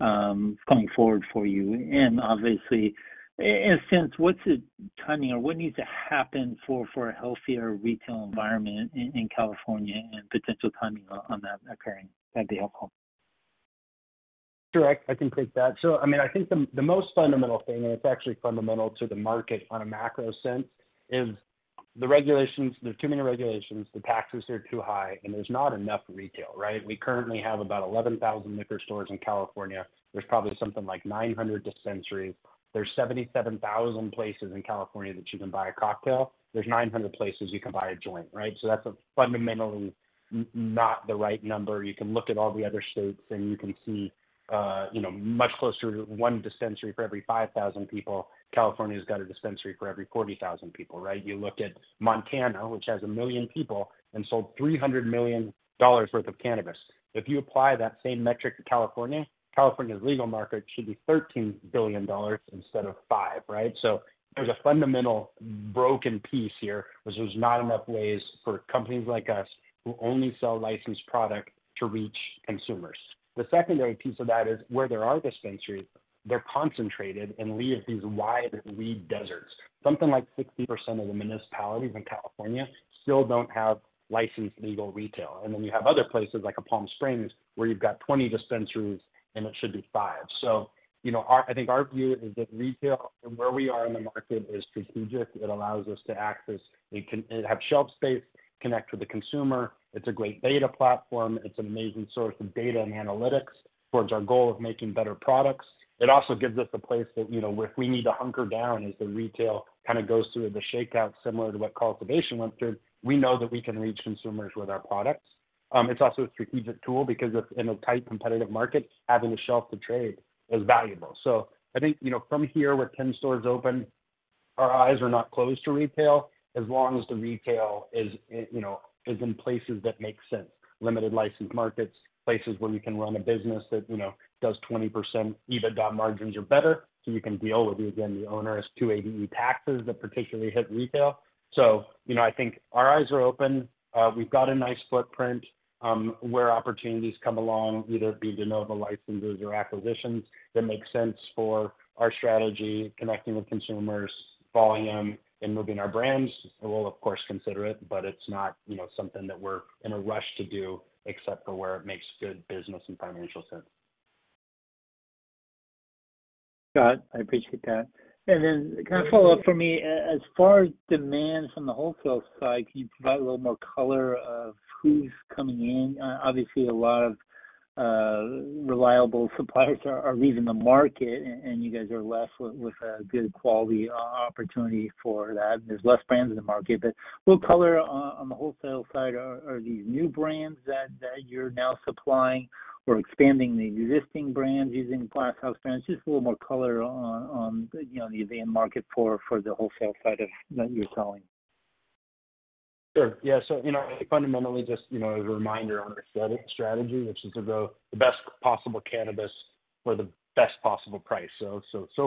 going forward for you. Obviously, in a sense, what's the timing or what needs to happen for a healthier retail environment in California and potential timing on that occurring? That'd be helpful. Sure. I can take that. I mean, I think the most fundamental thing, and it's actually fundamental to the market on a macro sense, is the regulations. There are too many regulations, the taxes are too high, and there's not enough retail, right? We currently have about 11,000 liquor stores in California. There's probably something like 900 dispensaries. There's 77,000 places in California that you can buy a cocktail. There's 900 places you can buy a joint, right? That's fundamentally not the right number. You can look at all the other states and you can see, you know, much closer to one dispensary for every 5,000 people. California's got a dispensary for every 40,000 people, right? You look at Montana, which has one million people and sold $300 million worth of cannabis. If you apply that same metric to California's legal market should be $13 billion instead of $5 billion, right? There's a fundamental broken piece here, which there's not enough ways for companies like us who only sell licensed product to reach consumers. The secondary piece of that is where there are dispensaries, they're concentrated and leave these wide weed deserts. Something like 60% of the municipalities in California still don't have licensed legal retail. Then you have other places like a Palm Springs, where you've got 20 dispensaries, and it should be five. You know, I think our view is that retail and where we are in the market is strategic. It allows us to access. It have shelf space, connect with the consumer. It's a great data platform. It's an amazing source of data and analytics towards our goal of making better products. It also gives us a place that, you know, if we need to hunker down as the retail kind of goes through the shakeout, similar to what cultivation went through, we know that we can reach consumers with our products. It's also a strategic tool because it's in a tight, competitive market, having a shelf to trade is valuable. I think, you know, from here, with 10 stores open, our eyes are not closed to retail as long as the retail is in places that make sense, limited license markets, places where we can run a business that, you know, does 20% EBITDA margins or better, so we can deal with, again, the onerous 280E taxes that particularly hit retail. You know, I think our eyes are open. We've got a nice footprint, where opportunities come along, either it be de novo licenses or acquisitions that make sense for our strategy, connecting with consumers, volume, and moving our brands. We'll of course, consider it, but it's not, you know, something that we're in a rush to do except for where it makes good business and financial sense. Then kind of follow up for me, as far as demand from the wholesale side, can you provide a little more color of who's coming in? Obviously a lot of reliable suppliers are leaving the market and you guys are left with a good quality opportunity for that. There's less brands in the market, but what color on the wholesale side are these new brands that you're now supplying or expanding the existing brands using Glass House Brands? Just a little more color on, you know, the end market for the wholesale side that you're selling. Sure. Yeah. You know, fundamentally, just, you know, as a reminder on our set strategy, which is to grow the best possible cannabis for the best possible price.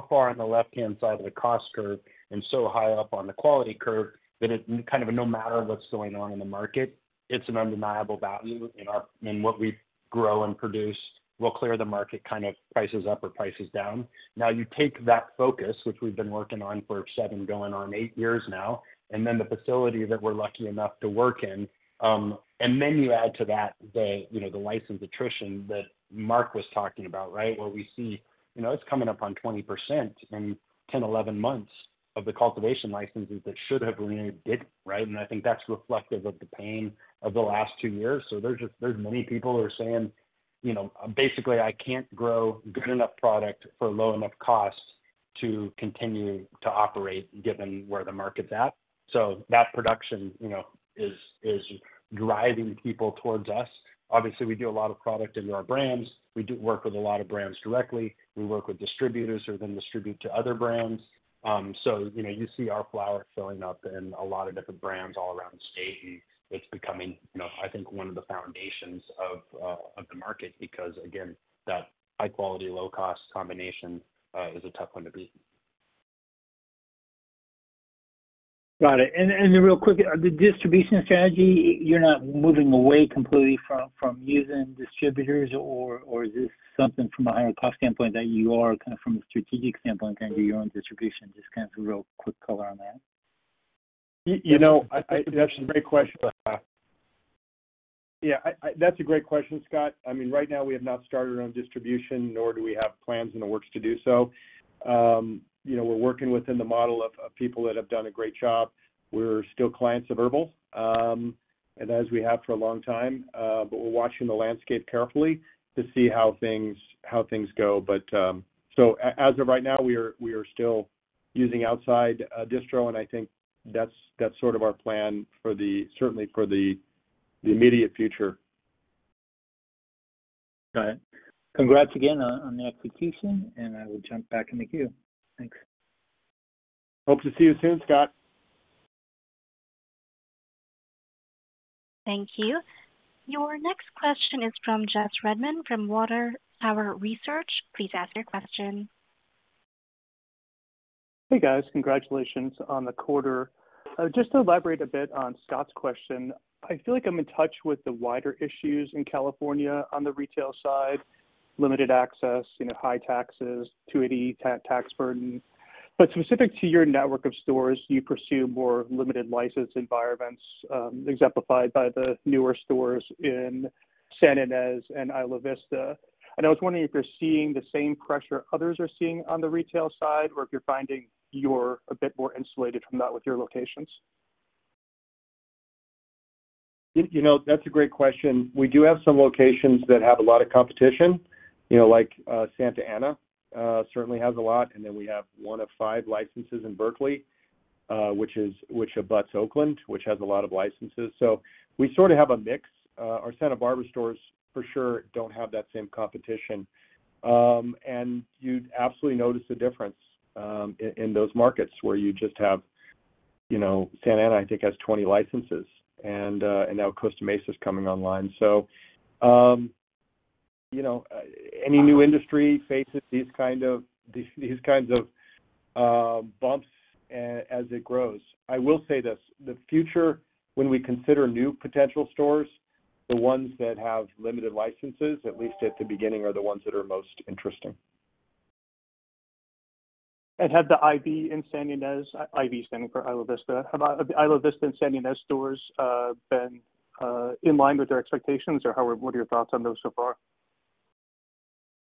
Far on the left-hand side of the cost curve and so high up on the quality curve, that it kind of no matter what's going on in the market, it's an undeniable value in what we grow and produce. We'll clear the market kind of prices up or prices down. You take that focus, which we've been working on for seven, going on eight years now, and then the facility that we're lucky enough to work in, and then you add to that the, you know, the license attrition that Mark was talking about, right? Where we see, you know, it's coming up on 20% in 10, 11 months. Of the cultivation licenses that should have renewed didn't, right? I think that's reflective of the pain of the last two years. There's just, there's many people who are saying, you know, basically, I can't grow good enough product for low enough cost to continue to operate given where the market's at. That production, you know, is driving people towards us. Obviously, we do a lot of product into our brands. We do work with a lot of brands directly. We work with distributors who then distribute to other brands. You know, you see our flower showing up in a lot of different brands all around the state, and it's becoming, you know, I think one of the foundations of the market, because again, that high quality, low cost combination is a tough one to beat. Got it. Then real quick, the distribution strategy, you're not moving away completely from using distributors or is this something from a higher cost standpoint that you are kind of from a strategic standpoint, gonna do your own distribution? Just kind of a real quick color on that. You know, I think that's a great question. Yeah, that's a great question, Scott. I mean, right now we have not started our own distribution, nor do we have plans in the works to do so. You know, we're working within the model of people that have done a great job. We're still clients of Herbl, and as we have for a long time, but we're watching the landscape carefully to see how things go. As of right now, we are still using outside distro, and I think that's sort of our plan for the certainly for the immediate future. Got it. Congrats again on the acquisition. I will jump back in the queue. Thanks. Hope to see you soon, Scott. Thank you. Your next question is from Jesse Redmond, from Water Tower Research. Please ask your question. Hey, guys. Congratulations on the quarter. Just to elaborate a bit on Scott's question, I feel like I'm in touch with the wider issues in California on the retail side, limited access, you know, high taxes, 280E tax burden. Specific to your network of stores, do you pursue more limited license environments, exemplified by the newer stores in Santa Ynez and Isla Vista? I was wondering if you're seeing the same pressure others are seeing on the retail side, or if you're finding you're a bit more insulated from that with your locations. You know, that's a great question. We do have some locations that have a lot of competition, you know, like Santa Ana certainly has a lot. Then we have one of five licenses in Berkeley, which abuts Oakland, which has a lot of licenses. We sort of have a mix. Our Santa Barbara stores for sure don't have that same competition. And you'd absolutely notice a difference in those markets where you just have, you know, Santa Ana, I think, has 20 licenses, and now Costa Mesa is coming online. You know, any new industry faces these kinds of bumps as it grows. I will say this, the future, when we consider new potential stores, the ones that have limited licenses, at least at the beginning, are the ones that are most interesting. Have the IV in Santa Ynez, IV standing for Isla Vista. Have the Isla Vista and Santa Ynez stores been in line with your expectations or what are your thoughts on those so far?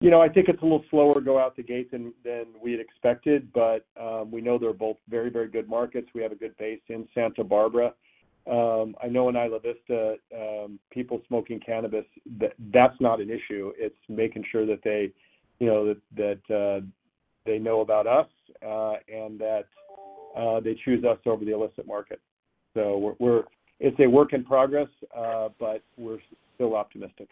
You know, I think it's a little slower go out the gates than we'd expected, but we know they're both very, very good markets. We have a good base in Santa Barbara. I know in Isla Vista, people smoking cannabis, that's not an issue. It's making sure that they, you know, that they know about us and that they choose us over the illicit market. We're a work in progress, but we're still optimistic.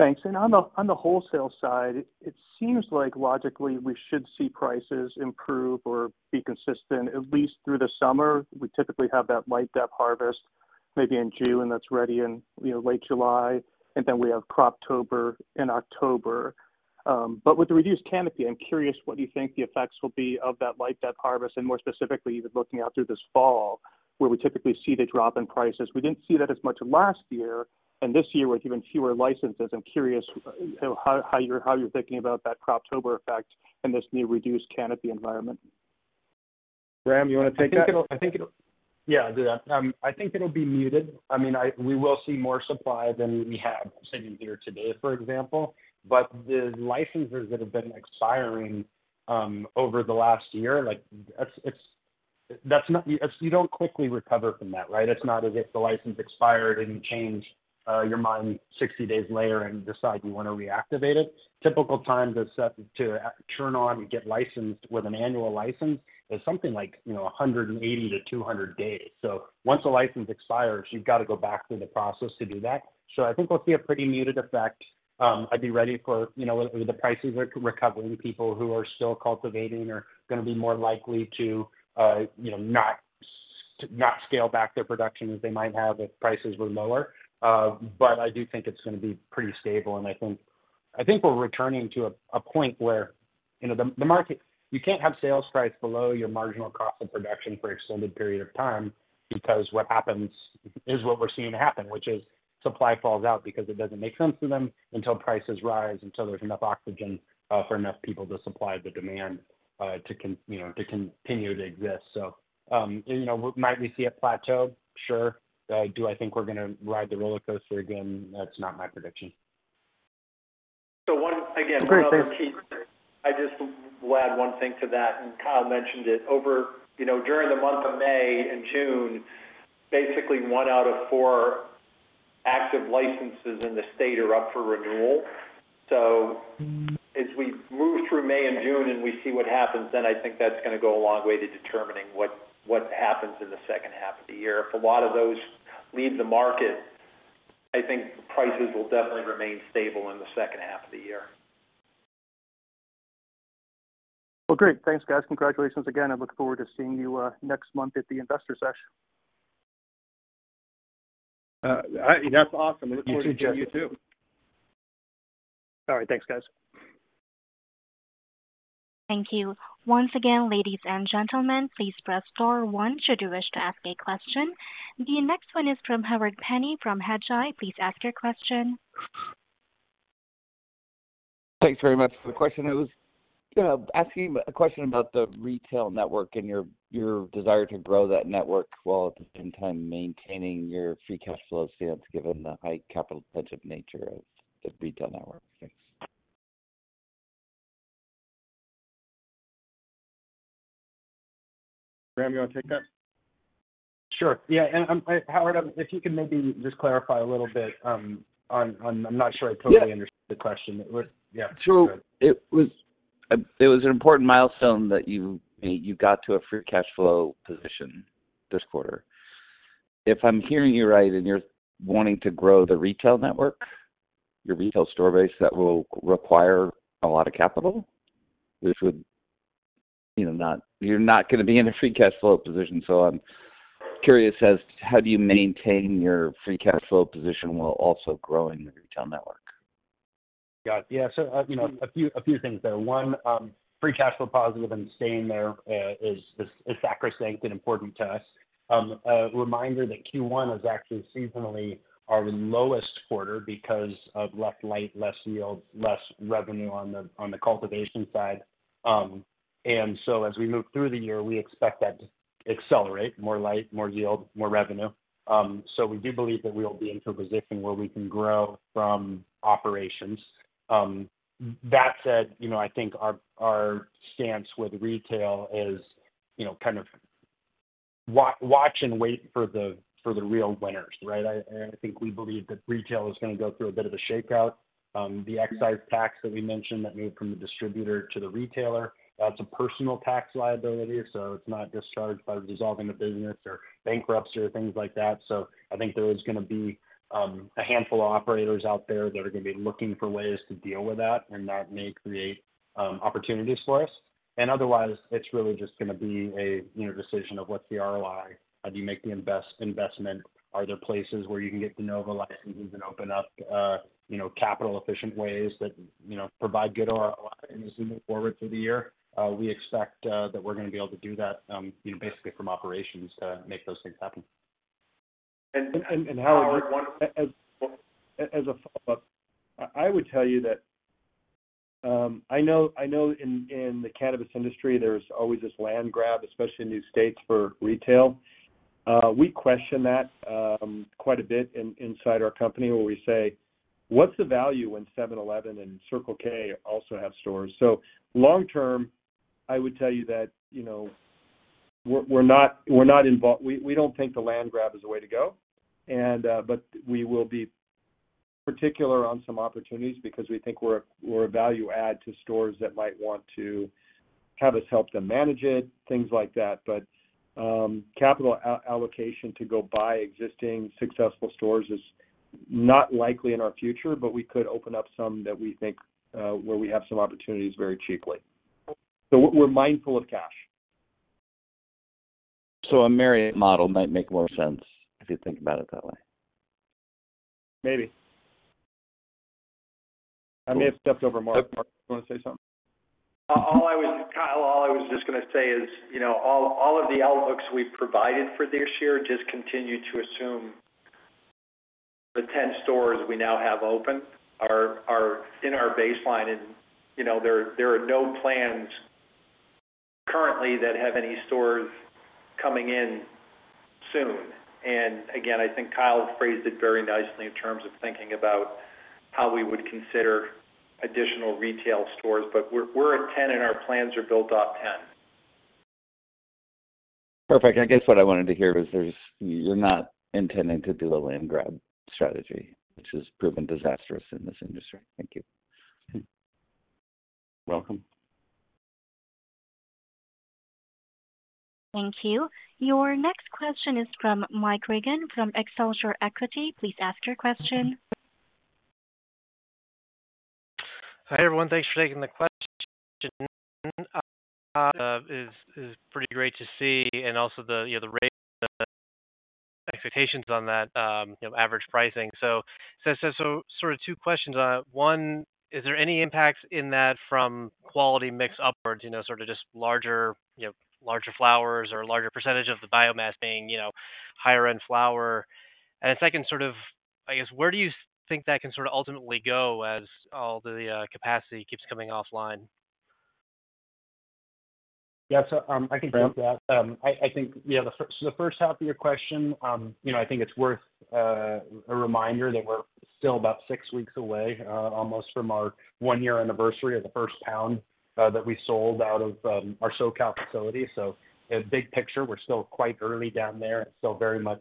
Thanks. On the, on the wholesale side, it seems like logically we should see prices improve or be consistent, at least through the summer. We typically have that light dep harvest maybe in June, that's ready in, you know, late July, and then we have Croptober in October. With the reduced canopy, I'm curious what you think the effects will be of that light dep harvest, and more specifically, even looking out through this fall, where we typically see the drop in prices. We didn't see that as much last year, and this year with even fewer licenses. I'm curious, you know, how you're thinking about that Croptober effect in this new reduced canopy environment. Graham, you wanna take that? I think it'll. Yeah. I think it'll be muted. I mean, we will see more supply than we have sitting here today, for example. The licenses that have been expiring over the last year, like, it's-- that's not. You don't quickly recover from that, right? It's not as if the license expired and you change your mind 60 days later and decide you wanna reactivate it. Typical time to turn on, get licensed with an annual license is something like, you know, 180 to 200 days. Once a license expires, you've got to go back through the process to do that. I think we'll see a pretty muted effect. I'd be ready for, you know, the prices are recovering. People who are still cultivating are gonna be more likely to, you know, not scale back their production as they might have if prices were lower. I do think it's gonna be pretty stable, and I think we're returning to a point where, you know, the market, you can't have sales price below your marginal cost of production for extended period of time because what happens is what we're seeing happen, which is supply falls out because it doesn't make sense to them until prices rise, until there's enough oxygen for enough people to supply the demand to continue to exist. You know, might we see a plateau? Sure. Do I think we're gonna ride the roller coaster again? That's not my prediction. Again, I just will add one thing to that, and Kyle mentioned it. Over, you know, during the month of May and June, basically one out of four active licenses in the state are up for renewal. As we move through May and June and we see what happens, then I think that's going to go a long way to determining what happens in the second half of the year. If a lot of those leave the market, I think prices will definitely remain stable in the second half of the year. Well, great. Thanks, guys. Congratulations again. I look forward to seeing you next month at the Investor Sesh. That's awesome. You too, Jim. Looking forward to seeing you too. All right. Thanks, guys. Thank you. Once again, ladies and gentlemen, please press star one should you wish to ask a question. The next one is from Howard Penney from Hedgeye. Please ask your question. Thanks very much. The question is, asking a question about the retail network and your desire to grow that network while at the same time maintaining your free cash flow stance, given the high capital-intensive nature of the retail network. Thanks. Graham, you want to take that? Sure. Yeah. Howard, if you can maybe just clarify a little bit, on, I'm not sure I totally understood the question. Yeah. It was an important milestone that you got to a free cash flow position this quarter. If I'm hearing you right, and you're wanting to grow the retail network, your retail store base, that will require a lot of capital, which would, you know, you're not going to be in a free cash flow position. I'm curious as how do you maintain your free cash flow position while also growing your retail network? Got it. Yeah. You know, a few things there. One, free cash flow positive and staying there, is sacrosanct and important to us. A reminder that Q1 is actually seasonally our lowest quarter because of less light, less yield, less revenue on the cultivation side. As we move through the year, we expect that to accelerate more light, more yield, more revenue. We do believe that we'll be into a position where we can grow from operations. That said, you know, I think our stance with retail is, you know, kind of watch and wait for the real winners, right? I think we believe that retail is going to go through a bit of a shakeout. The excise tax that we mentioned that moved from the distributor to the retailer, that's a personal tax liability, so it's not discharged by dissolving the business or bankruptcy or things like that. I think there is going to be a handful of operators out there that are going to be looking for ways to deal with that, and that may create opportunities for us. Otherwise, it's really just going to be a, you know, decision of what's the ROI. How do you make the investment? Are there places where you can get de novo licenses and open up, you know, capital efficient ways that, you know, provide good ROI? As we move forward through the year, we expect that we're going to be able to do that, you know, basically from operations to make those things happen. Howard, as a follow-up, I would tell you that, in the cannabis industry, there's always this land grab, especially in new states, for retail. We question that quite a bit inside our company, where we say, what's the value when 7-Eleven and Circle K also have stores? Long term, I would tell you that, you know, we're not involved. We don't think the land grab is the way to go. We will be particular on some opportunities because we think we're a value add to stores that might want to have us help them manage it, things like that. Capital allocation to go buy existing successful stores is not likely in our future, but we could open up some that we think, where we have some opportunities very cheaply. We're mindful of cash. A Marriott model might make more sense if you think about it that way. Maybe. I may have stepped over Mark. Mark, you want to say something? Kyle, all I was just going to say is, you know, all of the outlooks we've provided for this year just continue to assume the 10 stores we now have open are in our baseline. You know, there are no plans currently that have any stores coming in soon. Again, I think Kyle phrased it very nicely in terms of thinking about how we would consider additional retail stores. We're at 10, and our plans are built off 10. Perfect. I guess what I wanted to hear was you're not intending to do a land grab strategy, which has proven disastrous in this industry. Thank you. You're welcome. Thank you. Your next question is from Mike Regan from Excelsior Equities. Please ask your question. Hi, everyone. Thanks for taking the question. Is pretty great to see and also the, you know, the rate expectations on that, you know, average pricing. Sort of two questions. One, is there any impacts in that from quality mix upwards, you know, sort of just larger, you know, larger flowers or larger percentage of the biomass being, you know, higher end flower? Second sort of, I guess, where do you think that can sort of ultimately go as all the capacity keeps coming offline? Yes. I can jump that. I think, yeah, the first, the first half of your question, you know, I think it's worth a reminder that we're still about six weeks away almost from our 1one-year anniversary of the first pound that we sold out of our SoCal facility. Big picture, we're still quite early down there and still very much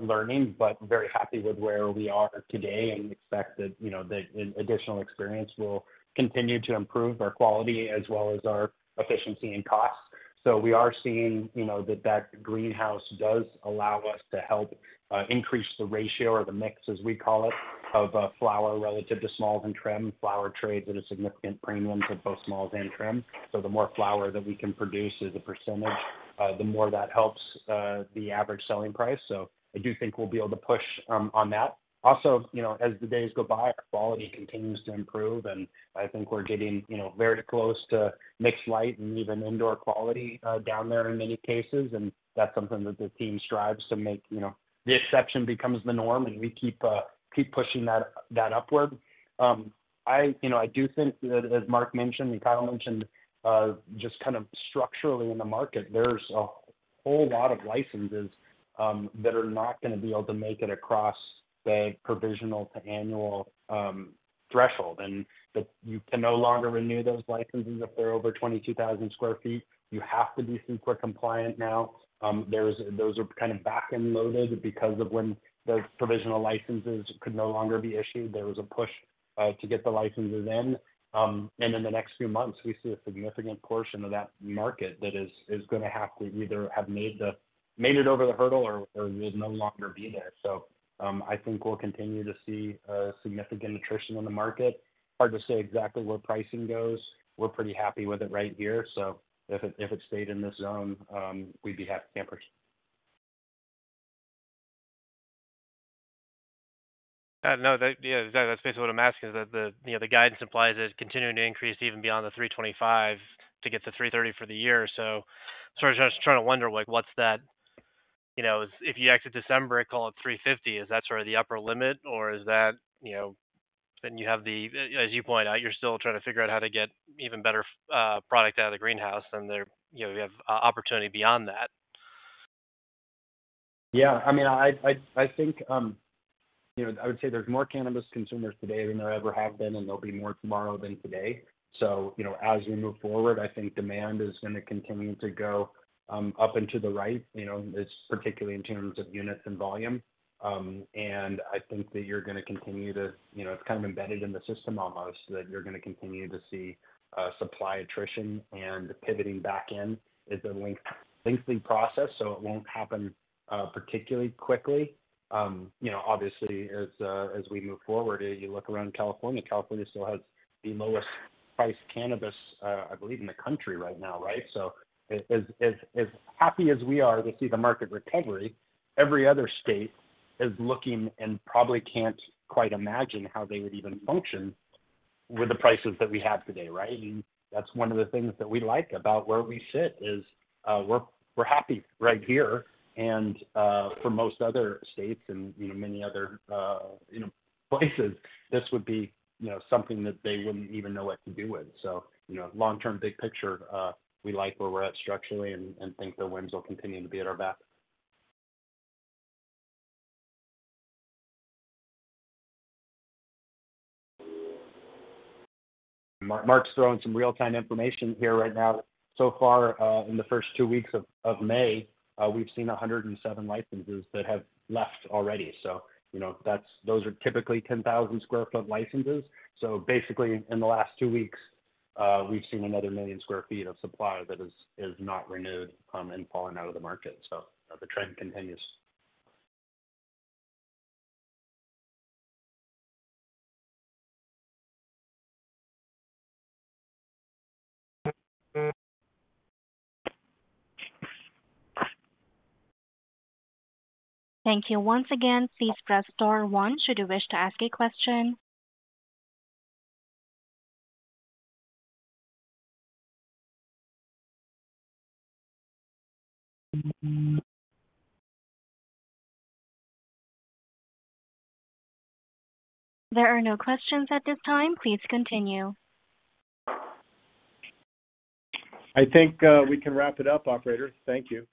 learning, but very happy with where we are today and expect that, you know, the additional experience will continue to improve our quality as well as our efficiency and costs. We are seeing, you know, that that greenhouse does allow us to help increase the ratio or the mix, as we call it, of flower relative to smalls and trim. Flower trades at a significant premium to both smalls and trim. The more flower that we can produce as a percentage, the more that helps the average selling price. I do think we'll be able to push on that. Also, you know, as the days go by, our quality continues to improve. I think we're getting, you know, very close to mixed light and even indoor quality down there in many cases. That's something that the team strives to make, you know, the exception becomes the norm, and we keep pushing that upward. I, you know, I do think that as Mark mentioned and Kyle mentioned, just kind of structurally in the market, there's a whole lot of licenses that are not gonna be able to make it across the provisional to annual threshold. You can no longer renew those licenses if they're over 22,000 sq ft. You have to be CEQA compliant now. Those are kind of back-end loaded because of when those provisional licenses could no longer be issued, there was a push to get the licenses in. In the next few months, we see a significant portion of that market that is gonna have to either have made it over the hurdle or will no longer be there. I think we'll continue to see a significant attrition in the market. Hard to say exactly where pricing goes. We're pretty happy with it right here. If it stayed in this zone, we'd be happy campers. No, that, yeah, that's basically what I'm asking is that the, you know, the guidance implies that it's continuing to increase even beyond the 325 to get to 330 for the year. Sort of just trying to wonder like, what's that, you know, if you exit December at call it 350, is that sort of the upper limit, or is that, you know? You have the, as you point out, you're still trying to figure out how to get even better product out of the greenhouse and there, you know, you have opportunity beyond that. Yeah. I mean, I, I think, you know, I would say there's more cannabis consumers today than there ever have been, and there'll be more tomorrow than today. You know, as we move forward, I think demand is gonna continue to go up into the right, you know, it's particularly in terms of units and volume. I think that you're gonna continue to, you know, it's kind of embedded in the system almost that you're gonna continue to see supply attrition. Pivoting back in is a lengthy process, so it won't happen particularly quickly. You know, obviously as we move forward, you look around California still has the lowest priced cannabis, I believe in the country right now, right? As happy as we are to see the market recovery, every other state is looking and probably can't quite imagine how they would even function with the prices that we have today, right? I mean, that's one of the things that we like about where we sit is, we're happy right here. For most other states and, you know, many other, you know, places, this would be, you know, something that they wouldn't even know what to do with. Long term, big picture, we like where we're at structurally and think the winds will continue to be at our back. Mark's throwing some real-time information here right now. So far, in the first two weeks of May, we've seen 107 licenses that have left already. You know, those are typically 10,000 sq ft licenses. Basically in the last two weeks, we've seen another million sq ft of supply that is not renewed, and falling out of the market. The trend continues. Thank you. Once again, please press star one should you wish to ask a question. There are no questions at this time. Please continue. I think, we can wrap it up, operator. Thank you.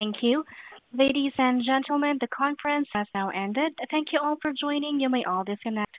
Thank you. Ladies and gentlemen, the conference has now ended. Thank you all for joining. You may all disconnect.